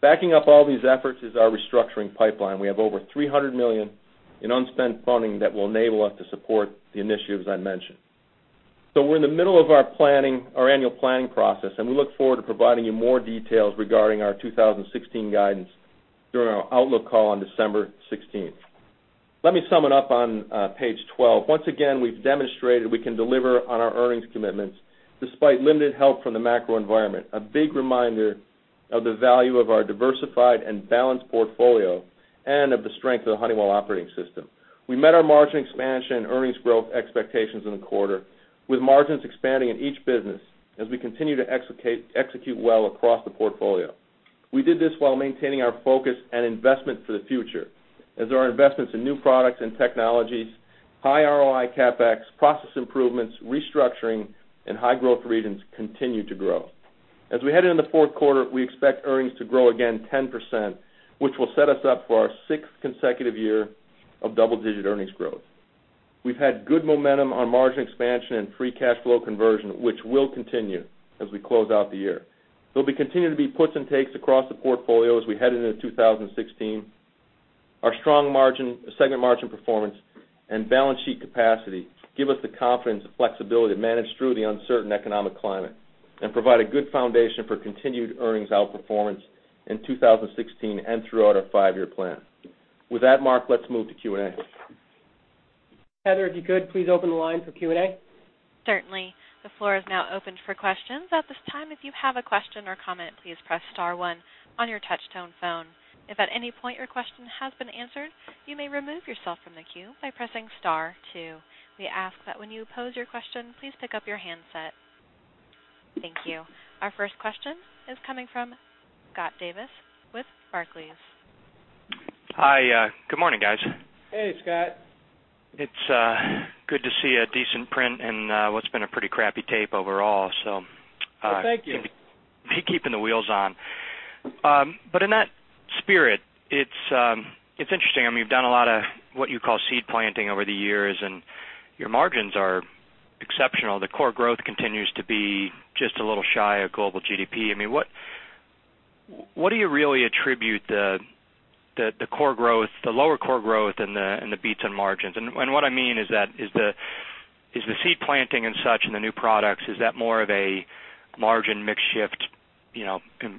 Backing up all these efforts is our restructuring pipeline. We have over $300 million in unspent funding that will enable us to support the initiatives I mentioned. We're in the middle of our Annual Planning Process, and we look forward to providing you more details regarding our 2016 guidance during our outlook call on December 16th. Let me sum it up on page 12. Once again, we've demonstrated we can deliver on our earnings commitments despite limited help from the macro environment, a big reminder of the value of our diversified and balanced portfolio and of the strength of the Honeywell Operating System. We met our margin expansion and earnings growth expectations in the quarter, with margins expanding in each business as we continue to execute well across the portfolio. We did this while maintaining our focus and investment for the future as our investments in new products and technologies, high ROI CapEx, process improvements, restructuring, and high growth regions continue to grow. As we head into the fourth quarter, we expect earnings to grow again 10%, which will set us up for our sixth consecutive year of double-digit earnings growth. We've had good momentum on margin expansion and free cash flow conversion, which will continue as we close out the year. There'll continue to be puts and takes across the portfolio as we head into 2016. Our strong segment margin performance and balance sheet capacity give us the confidence and flexibility to manage through the uncertain economic climate and provide a good foundation for continued earnings outperformance in 2016 and throughout our five-year plan. With that, Mark, let's move to Q&A. Heather, if you could, please open the line for Q&A. Certainly. The floor is now open for questions. At this time, if you have a question or comment, please press star one on your touch-tone phone. If at any point your question has been answered, you may remove yourself from the queue by pressing star two. We ask that when you pose your question, please pick up your handset. Thank you. Our first question is coming from Scott Davis with Barclays. Hi. Good morning, guys. Hey, Scott. It's good to see a decent print in what's been a pretty crappy tape overall. Well, thank you. You're keeping the wheels on. In that spirit, it's interesting. You've done a lot of what you call seed planting over the years, and your margins are exceptional. The core growth continues to be just a little shy of global GDP. What do you really attribute the lower core growth and the beats on margins? What I mean is that is the seed planting and such and the new products, is that more of a margin mix shift,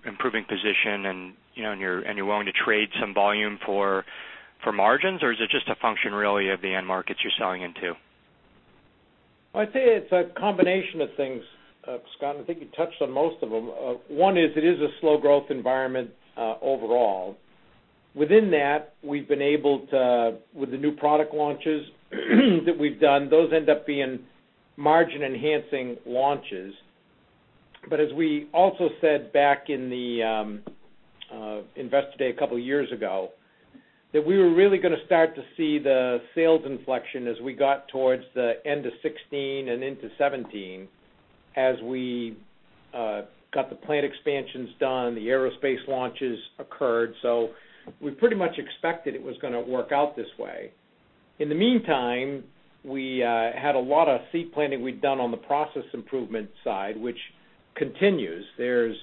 improving position, and you're willing to trade some volume for margins? Or is it just a function really of the end markets you're selling into? I'd say it's a combination of things, Scott, and I think you touched on most of them. One is, it is a slow growth environment overall. Within that, with the new product launches that we've done, those end up being margin-enhancing launches. As we also said back in the Investor Day a couple of years ago, that we were really going to start to see the sales inflection as we got towards the end of 2016 and into 2017, as we got the plant expansions done, the aerospace launches occurred. We pretty much expected it was going to work out this way. In the meantime, we had a lot of seed planting we'd done on the process improvement side, which continues. There's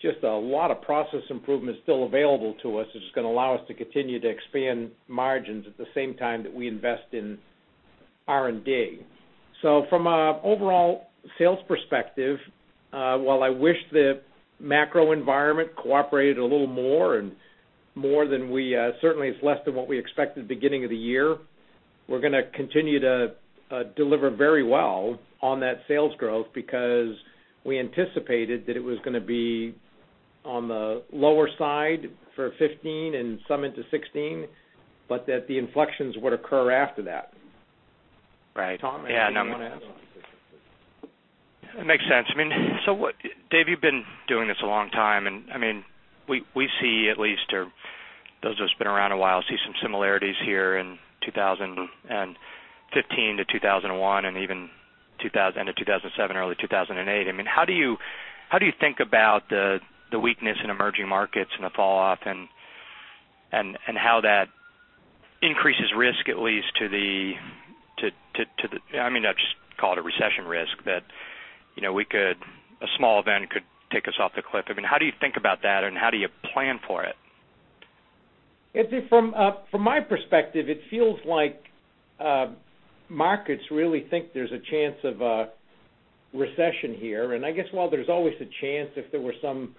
just a lot of process improvement still available to us, which is going to allow us to continue to expand margins at the same time that we invest in R&D. From an overall sales perspective, while I wish the macro environment cooperated a little more, certainly it's less than what we expected at the beginning of the year. We're going to continue to deliver very well on that sales growth because we anticipated that it was going to be on the lower side for 2015 and some into 2016, but that the inflections would occur after that. Right. Tom, anything you want to add? It makes sense. Dave, you've been doing this a long time, and we see at least, or those of us been around a while, see some similarities here in 2015 to 2001, and even end of 2007 or early 2008. How do you think about the weakness in emerging markets and the falloff, and how that increases risk, at least, I'll just call it a recession risk, that a small event could take us off the cliff. How do you think about that, and how do you plan for it? From my perspective, it feels like markets really think there's a chance of a recession here. I guess while there's always a chance, if there were some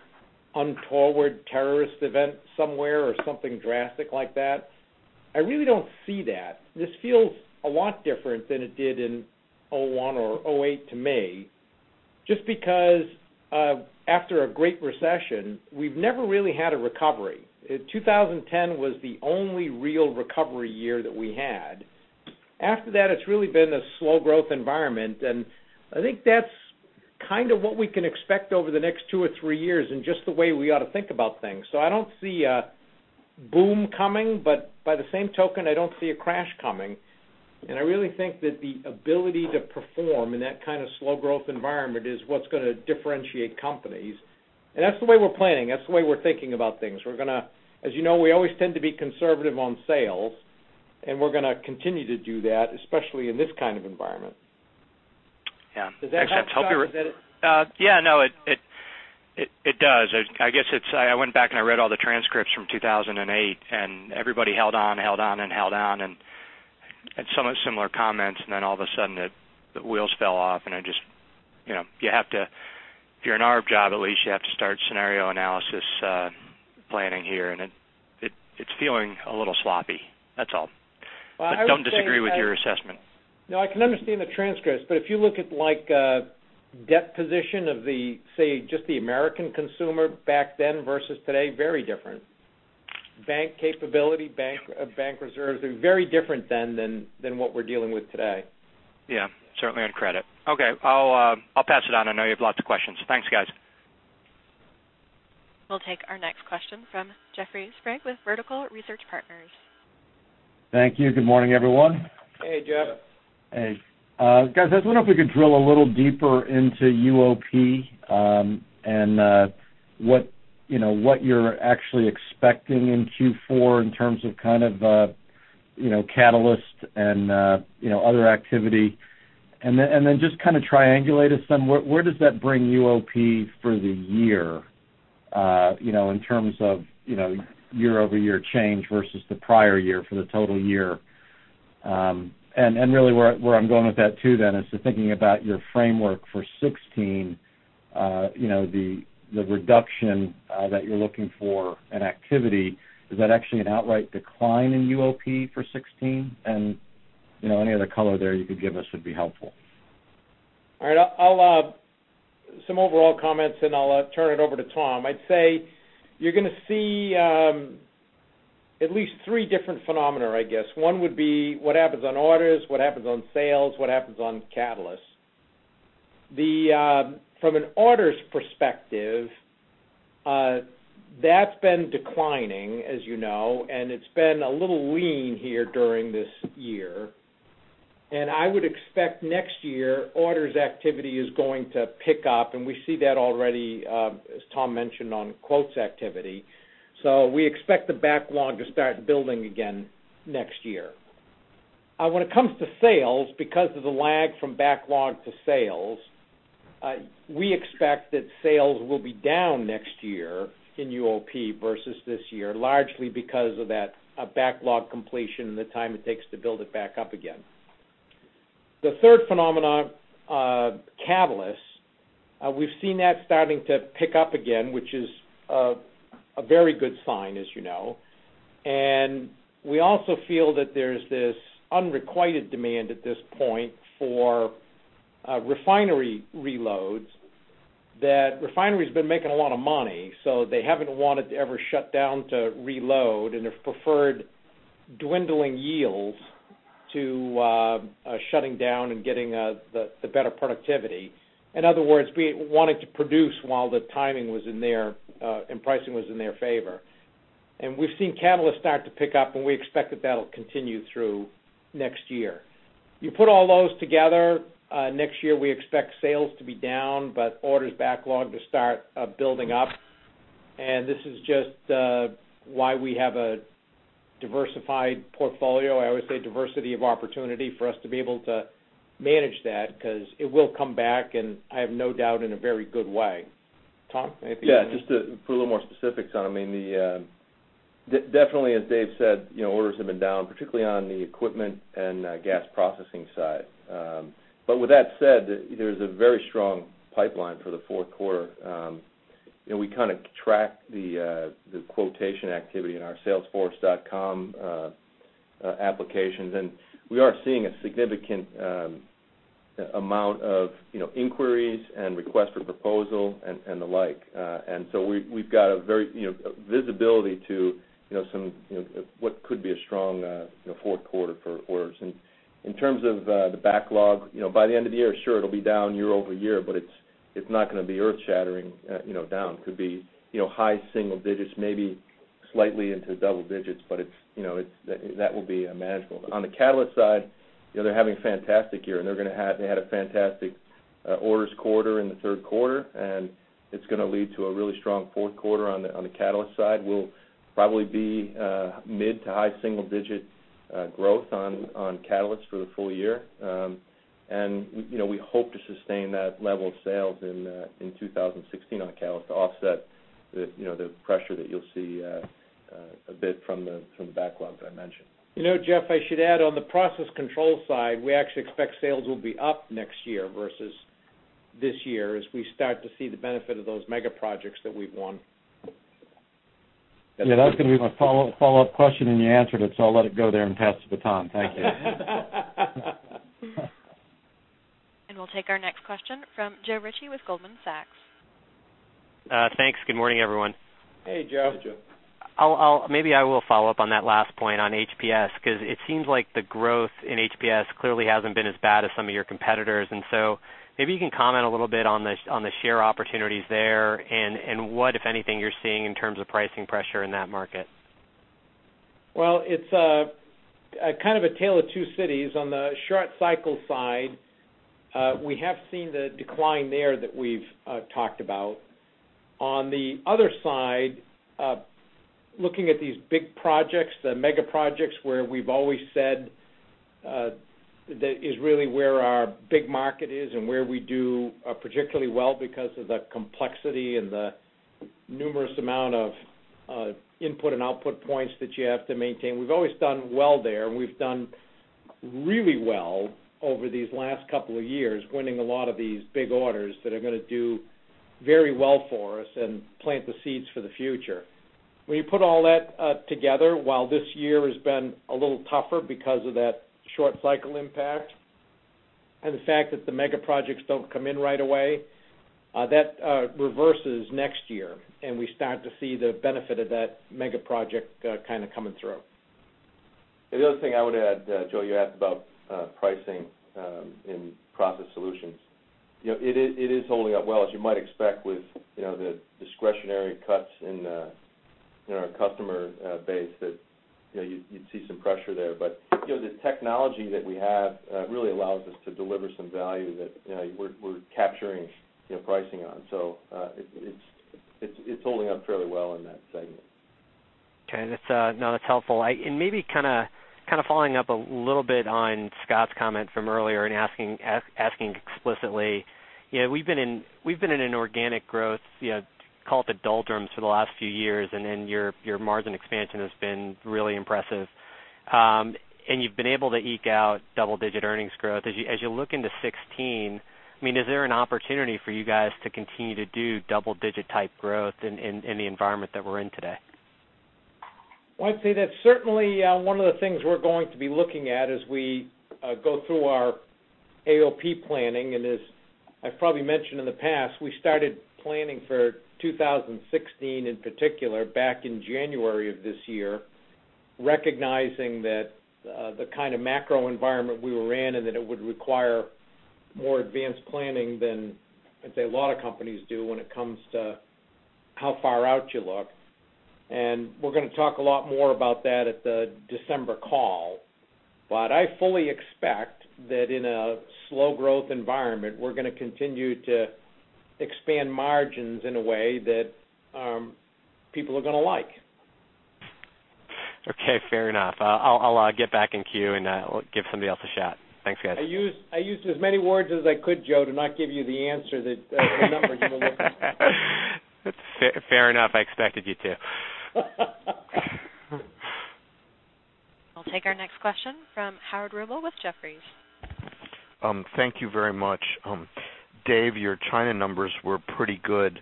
untoward terrorist event somewhere or something drastic like that, I really don't see that. This feels a lot different than it did in 2001 or 2008 to me, just because after a great recession, we've never really had a recovery. 2010 was the only real recovery year that we had. After that, it's really been a slow growth environment, and I think that's kind of what we can expect over the next two or three years and just the way we ought to think about things. I don't see a boom coming. By the same token, I don't see a crash coming. I really think that the ability to perform in that kind of slow growth environment is what's going to differentiate companies. That's the way we're planning. That's the way we're thinking about things. As you know, we always tend to be conservative on sales, and we're going to continue to do that, especially in this kind of environment. Yeah. Does that help? Yeah, it does. I went back and I read all the transcripts from 2008, and everybody held on, held on, and held on, and somewhat similar comments. Then all of a sudden, the wheels fell off. If you're in our job at least, you have to start scenario analysis planning here. It's feeling a little sloppy, that's all. Well. Don't disagree with your assessment. No, I can understand the transcripts, but if you look at debt position of, say, just the American consumer back then versus today, very different. Bank capability, bank reserves, they're very different then than what we're dealing with today. Yeah, certainly on credit. Okay. I'll pass it on. I know you have lots of questions. Thanks, guys. We'll take our next question from Jeffrey Sprague with Vertical Research Partners. Thank you. Good morning, everyone. Hey, Jeff. Hey, guys, I was wondering if we could drill a little deeper into UOP, and what you're actually expecting in Q4 in terms of catalyst and other activity. Just triangulate us some. Where does that bring UOP for the year in terms of year-over-year change versus the prior year for the total year? Really where I'm going with that too then is just thinking about your framework for 2016, the reduction that you're looking for in activity. Is that actually an outright decline in UOP for 2016? Any other color there you could give us would be helpful. All right. Some overall comments, then I'll turn it over to Tom. I'd say you're going to see at least three different phenomena, I guess. One would be what happens on orders, what happens on sales, what happens on catalysts. From an orders perspective, that's been declining, as you know, and it's been a little lean here during this year. I would expect next year, orders activity is going to pick up, and we see that already, as Tom mentioned, on quotes activity. We expect the backlog to start building again next year. When it comes to sales, because of the lag from backlog to sales, we expect that sales will be down next year in UOP versus this year, largely because of that backlog completion and the time it takes to build it back up again. The third phenomenon, catalysts. We've seen that starting to pick up again, which is a very good sign, as you know. We also feel that there's this unrequited demand at this point for refinery reloads. That refinery's been making a lot of money, they haven't wanted to ever shut down to reload and have preferred dwindling yields to shutting down and getting the better productivity. In other words, wanting to produce while the timing and pricing was in their favor. We've seen catalysts start to pick up, and we expect that that'll continue through next year. You put all those together, next year we expect sales to be down, but orders backlog to start building up. This is just why we have a diversified portfolio. I always say diversity of opportunity for us to be able to manage that because it will come back, and I have no doubt in a very good way. Tom, anything you want to- Just to put a little more specifics on it. Definitely as Dave said, orders have been down, particularly on the equipment and gas processing side. With that said, there's a very strong pipeline for the fourth quarter. We track the quotation activity in our salesforce.com applications, and we are seeing a significant amount of inquiries and requests for proposal and the like. We've got visibility to what could be a strong fourth quarter for orders. In terms of the backlog, by the end of the year, sure, it'll be down year-over-year, but it's not going to be earth-shattering down. Could be high single digits, maybe slightly into double digits, but that will be manageable. On the catalyst side, they're having a fantastic year, and they had a fantastic orders quarter in the third quarter, and it's going to lead to a really strong fourth quarter on the catalyst side. We'll probably be mid to high single-digit growth on catalysts for the full year. We hope to sustain that level of sales in 2016 on catalyst to offset the pressure that you'll see a bit from the backlog that I mentioned. Jeff, I should add on the process control side, we actually expect sales will be up next year versus this year as we start to see the benefit of those mega projects that we've won. That was going to be my follow-up question, and you answered it, so I'll let it go there and pass the baton. Thank you. We'll take our next question from Joe Ritchie with Goldman Sachs. Thanks. Good morning, everyone. Hey, Joe. Hey, Joe. Maybe I will follow up on that last point on HPS because it seems like the growth in HPS clearly hasn't been as bad as some of your competitors. Maybe you can comment a little bit on the share opportunities there and what, if anything, you're seeing in terms of pricing pressure in that market. Well, it's a tale of two cities. On the short cycle side, we have seen the decline there that we've talked about. On the other side, looking at these big projects, the mega projects where we've always said that is really where our big market is and where we do particularly well because of the complexity and the numerous amount of input and output points that you have to maintain. We've always done well there. We've done really well over these last couple of years, winning a lot of these big orders that are going to do very well for us and plant the seeds for the future. When you put all that together, while this year has been a little tougher because of that short cycle impact and the fact that the mega projects don't come in right away, that reverses next year, and we start to see the benefit of that mega project coming through. The other thing I would add, Joe, you asked about pricing in Process Solutions. It is holding up well. As you might expect with the discretionary cuts in our customer base that you'd see some pressure there. The technology that we have really allows us to deliver some value that we're capturing pricing on. It's holding up fairly well in that segment. Okay. No, that's helpful. Maybe kind of following up a little bit on Scott Davis' comment from earlier and asking explicitly, we've been in an organic growth, call it the doldrums, for the last few years, then your margin expansion has been really impressive. You've been able to eke out double-digit earnings growth. As you look into 2016, is there an opportunity for you guys to continue to do double-digit type growth in the environment that we're in today? Well, I'd say that's certainly one of the things we're going to be looking at as we go through our AOP planning. As I've probably mentioned in the past, we started planning for 2016 in particular back in January of this year, recognizing that the kind of macro environment we were in, that it would require more advanced planning than I'd say a lot of companies do when it comes to how far out you look. We're going to talk a lot more about that at the December call. I fully expect that in a slow growth environment, we're going to continue to expand margins in a way that people are going to like. Okay, fair enough. I'll get back in queue and give somebody else a shot. Thanks, guys. I used as many words as I could, Joe Ritchie, to not give you the answer that the numbers are going to look. That's fair enough. I expected you to. We'll take our next question from Howard Rubel with Jefferies. Thank you very much. Dave, your China numbers were pretty good.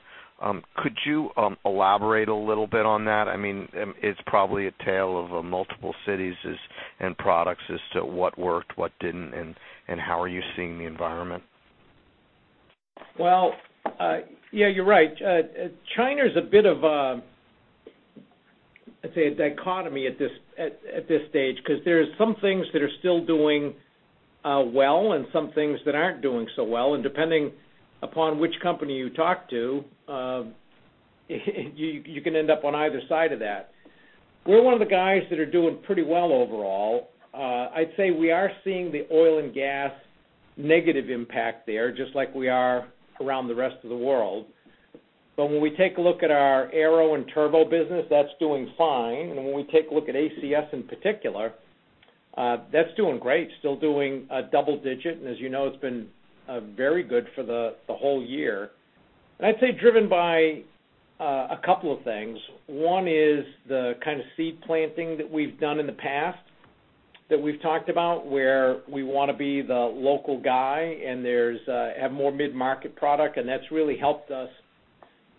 Could you elaborate a little bit on that? It's probably a tale of multiple cities and products as to what worked, what didn't, and how are you seeing the environment? Well, yeah, you're right. China's a bit of a, let's say, a dichotomy at this stage because there are some things that are still doing well and some things that aren't doing so well. Depending upon which company you talk to, you can end up on either side of that. We're one of the guys that are doing pretty well overall. I'd say we are seeing the oil and gas negative impact there, just like we are around the rest of the world. When we take a look at our aero and turbo business, that's doing fine. When we take a look at ACS in particular, that's doing great. Still doing double digit, and as you know, it's been very good for the whole year. I'd say driven by a couple of things. One is the kind of seed planting that we've done in the past that we've talked about, where we want to be the local guy, and to have more mid-market product, and that's really helped us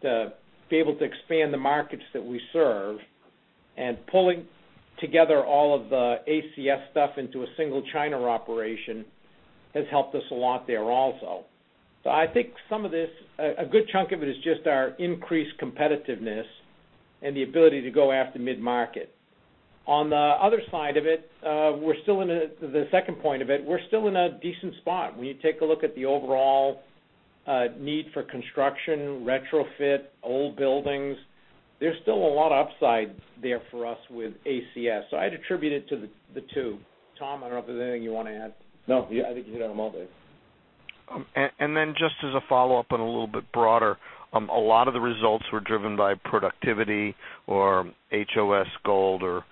to be able to expand the markets that we serve. Pulling together all of the ACS stuff into a single China operation has helped us a lot there also. I think a good chunk of it is just our increased competitiveness and the ability to go after mid-market. On the other side of it, the second point of it, we're still in a decent spot. When you take a look at the overall need for construction, retrofit, old buildings, there's still a lot of upside there for us with ACS. I'd attribute it to the two. Tom, I don't know if there's anything you want to add. No, I think you hit on them all, Dave. Just as a follow-up and a little bit broader, a lot of the results were driven by productivity or HOS Gold or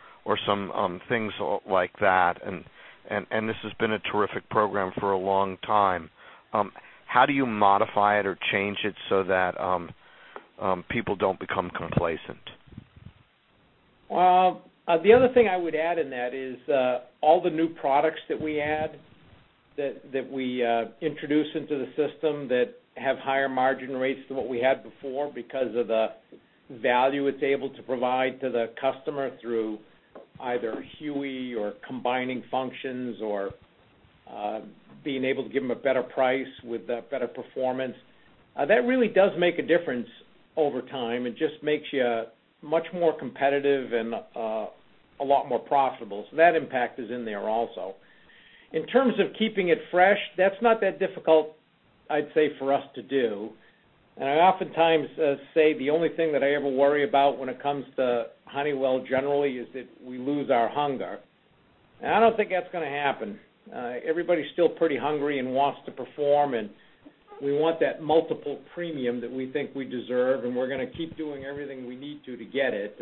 some things like that. This has been a terrific program for a long time. How do you modify it or change it so that people don't become complacent? The other thing I would add in that is all the new products that we add, that we introduce into the system that have higher margin rates than what we had before because of the value it's able to provide to the customer through either HUE or combining functions or being able to give them a better price with better performance. That really does make a difference over time. It just makes you much more competitive and a lot more profitable. That impact is in there also. In terms of keeping it fresh, that's not that difficult, I'd say, for us to do. I oftentimes say the only thing that I ever worry about when it comes to Honeywell generally is if we lose our hunger. I don't think that's going to happen. Everybody's still pretty hungry and wants to perform, and we want that multiple premium that we think we deserve, and we're going to keep doing everything we need to to get it.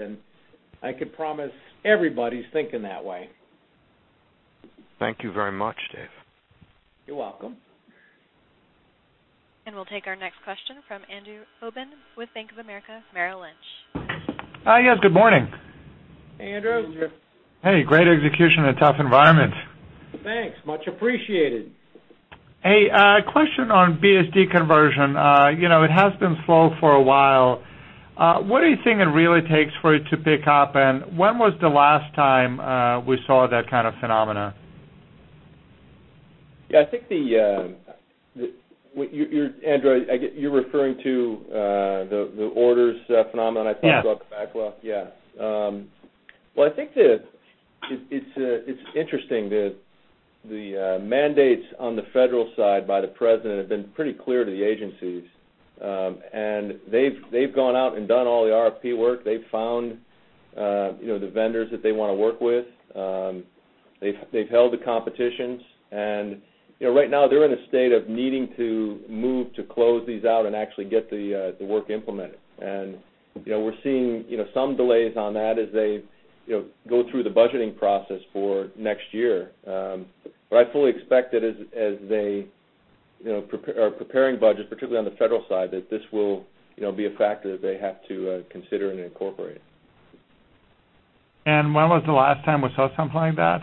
I can promise everybody's thinking that way. Thank you very much, Dave. You're welcome. We'll take our next question from Andrew Obin with Bank of America Merrill Lynch. Hi. Yes, good morning. Hey, Andrew. Andrew. Hey, great execution in a tough environment. Thanks. Much appreciated. Hey, a question on BSD conversion. It has been slow for a while. What do you think it really takes for it to pick up, and when was the last time we saw that kind of phenomena? Yeah, I think, Andrew, you're referring to the orders phenomenon. Yeah about the backlog. Yeah. Well, I think that it's interesting that the mandates on the federal side by the president have been pretty clear to the agencies. They've gone out and done all the RFP work. They've found the vendors that they want to work with. They've held the competitions, right now they're in a state of needing to move to close these out and actually get the work implemented. We're seeing some delays on that as they go through the budgeting process for next year. I fully expect that as they are preparing budgets, particularly on the federal side, that this will be a factor that they have to consider and incorporate. When was the last time we saw something like that?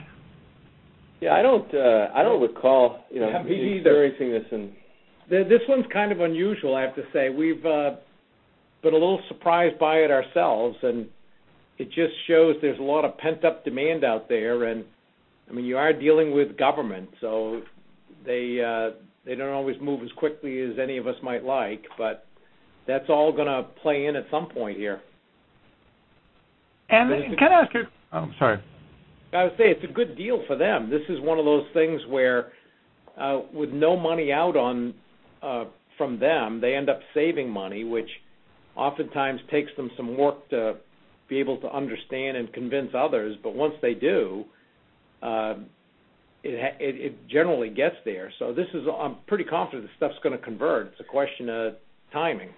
Yeah, I don't recall. Me neither experiencing this in. This one's kind of unusual, I have to say. We've been a little surprised by it ourselves. It just shows there's a lot of pent-up demand out there. You are dealing with government, they don't always move as quickly as any of us might like. That's all going to play in at some point here. Can I ask you. I would say it's a good deal for them. This is one of those things where, with no money out from them, they end up saving money, which oftentimes takes them some work to be able to understand and convince others, but once they do, it generally gets there. I'm pretty confident this stuff's going to convert. It's a question of timing.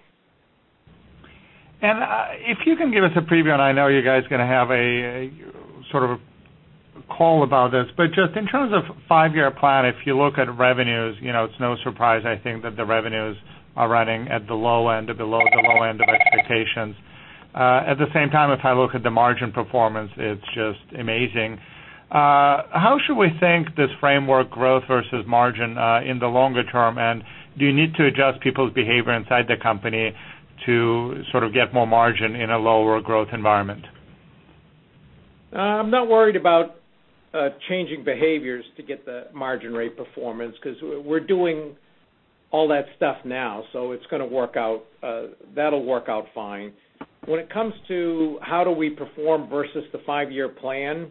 If you can give us a preview, and I know you guys are going to have a call about this, but just in terms of five-year plan, if you look at revenues, it's no surprise, I think that the revenues are running at the low end of the low end of expectations. At the same time, if I look at the margin performance, it's just amazing. How should we think this framework growth versus margin in the longer term? Do you need to adjust people's behavior inside the company to get more margin in a lower growth environment? I'm not worried about changing behaviors to get the margin rate performance, because we're doing all that stuff now, so it's going to work out. That'll work out fine. When it comes to how do we perform versus the five-year plan,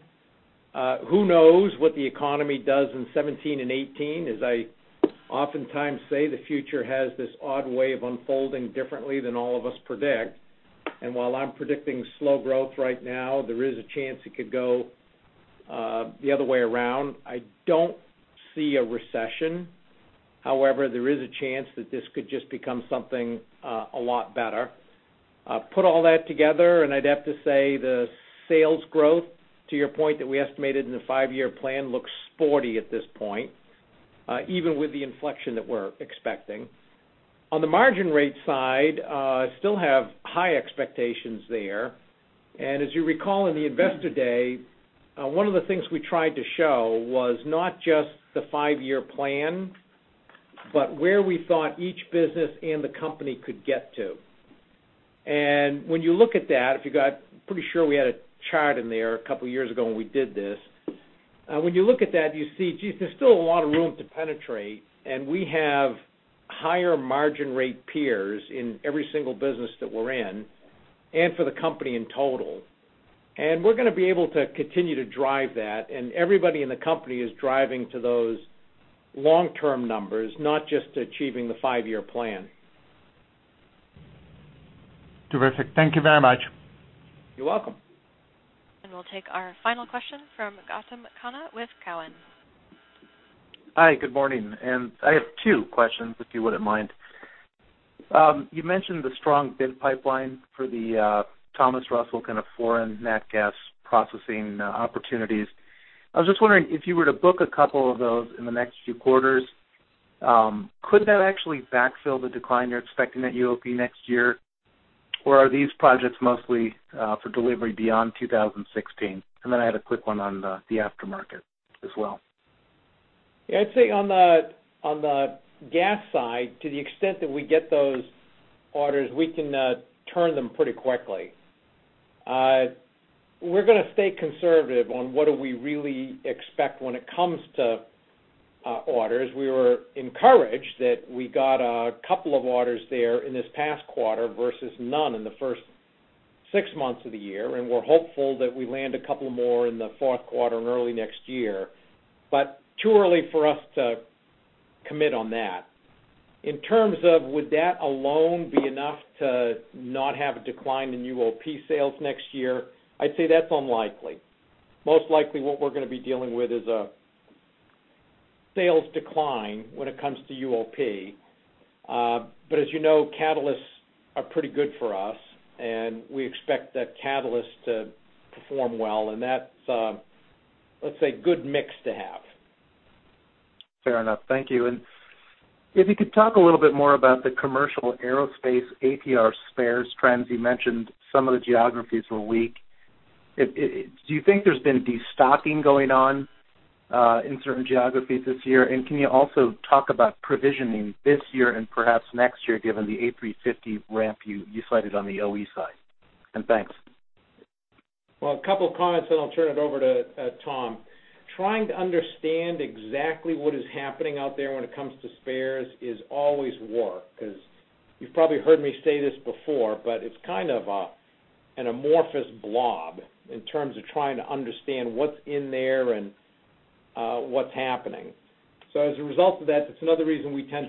who knows what the economy does in 2017 and 2018? As I oftentimes say, the future has this odd way of unfolding differently than all of us predict, and while I'm predicting slow growth right now, there is a chance it could go the other way around. I don't see a recession. However, there is a chance that this could just become something a lot better. Put all that together, and I'd have to say the sales growth, to your point, that we estimated in the five-year plan, looks sporty at this point, even with the inflection that we're expecting. On the margin rate side, still have high expectations there. As you recall in the Investor Day, one of the things we tried to show was not just the five-year plan, but where we thought each business and the company could get to. When you look at that, I'm pretty sure we had a chart in there a couple of years ago when we did this. When you look at that, you see, geez, there's still a lot of room to penetrate, and we have higher margin rate peers in every single business that we're in, and for the company in total. We're going to be able to continue to drive that, and everybody in the company is driving to those long-term numbers, not just achieving the five-year plan. Terrific. Thank you very much. You're welcome. We'll take our final question from Gautam Khanna with Cowen. Hi, good morning. I have two questions, if you wouldn't mind. You mentioned the strong bid pipeline for the Thomas Russell natural gas processing opportunities. I was just wondering, if you were to book a couple of those in the next few quarters, could that actually backfill the decline you're expecting at UOP next year? Are these projects mostly for delivery beyond 2016? I had a quick one on the aftermarket as well. I'd say on the gas side, to the extent that we get those orders, we can turn them pretty quickly. We're going to stay conservative on what do we really expect when it comes to orders. We were encouraged that we got a couple of orders there in this past quarter versus none in the first six months of the year, and we're hopeful that we land a couple more in the fourth quarter and early next year. Too early for us to commit on that. In terms of would that alone be enough to not have a decline in UOP sales next year, I'd say that's unlikely. Most likely, what we're going to be dealing with is a sales decline when it comes to UOP. As you know, catalysts are pretty good for us, and we expect that catalyst to perform well, and that's, let's say, good mix to have. Fair enough. Thank you. If you could talk a little bit more about the commercial aerospace R&O spares trends. You mentioned some of the geographies were weak. Do you think there's been destocking going on in certain geographies this year? Can you also talk about provisioning this year and perhaps next year, given the A350 ramp you cited on the OE side? Thanks. Well, a couple of comments, then I'll turn it over to Tom. Trying to understand exactly what is happening out there when it comes to spares is always work, because you've probably heard me say this before, but it's kind of an amorphous blob in terms of trying to understand what's in there and what's happening. As a result of that, it's another reason we tend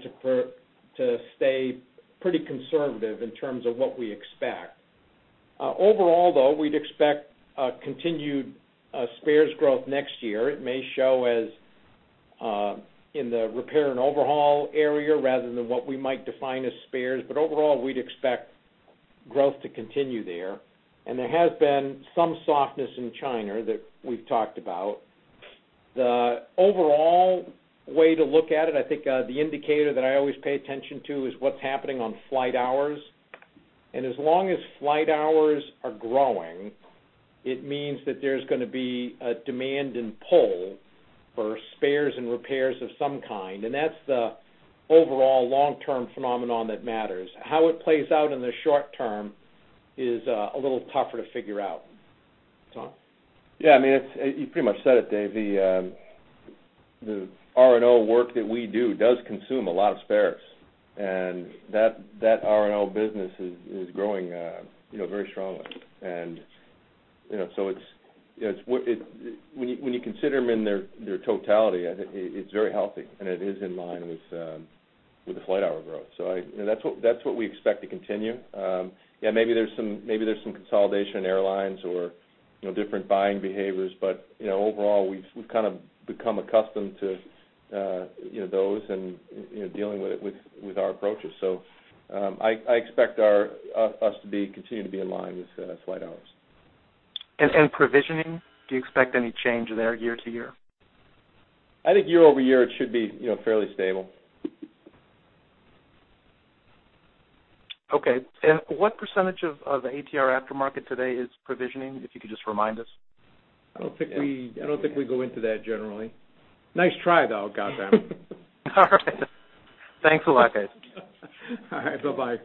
to stay pretty conservative in terms of what we expect. Overall, though, we'd expect continued spares growth next year. It may show as in the repair and overhaul area, rather than what we might define as spares. Overall, we'd expect growth to continue there. There has been some softness in China that we've talked about. The overall way to look at it, I think, the indicator that I always pay attention to is what's happening on flight hours. As long as flight hours are growing, it means that there's going to be a demand and pull for spares and repairs of some kind, and that's the overall long-term phenomenon that matters. How it plays out in the short term is a little tougher to figure out. Tom? Yeah, you pretty much said it, Dave. The R&O work that we do does consume a lot of spares, and that R&O business is growing very strongly. When you consider them in their totality, it's very healthy, and it is in line with the flight hour growth. That's what we expect to continue. Yeah, maybe there's some consolidation in airlines or different buying behaviors. Overall, we've become accustomed to those and dealing with it with our approaches. I expect us to continue to be in line with flight hours. Provisioning, do you expect any change there year-to-year? I think year-over-year it should be fairly stable. Okay. What % of the ATR aftermarket today is provisioning, if you could just remind us? I don't think we go into that generally. Nice try, though, Gautam. All right. Thanks a lot, guys. All right, bye-bye.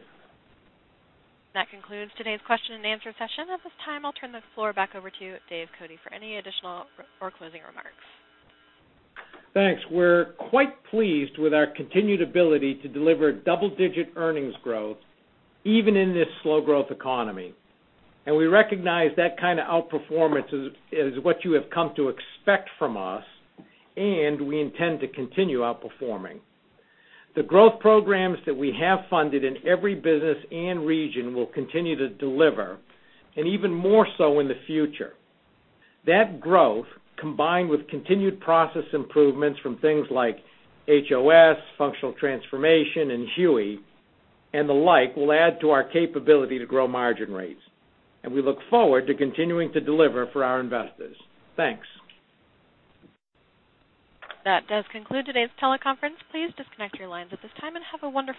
That concludes today's question and answer session. At this time, I'll turn the floor back over to you, Dave Cote, for any additional or closing remarks. Thanks. We're quite pleased with our continued ability to deliver double-digit earnings growth even in this slow growth economy. We recognize that kind of outperformance is what you have come to expect from us, and we intend to continue outperforming. The growth programs that we have funded in every business and region will continue to deliver, and even more so in the future. That growth, combined with continued process improvements from things like HOS, functional transformation, and HUE and the like, will add to our capability to grow margin rates. We look forward to continuing to deliver for our investors. Thanks. That does conclude today's teleconference. Please disconnect your lines at this time, and have a wonderful day.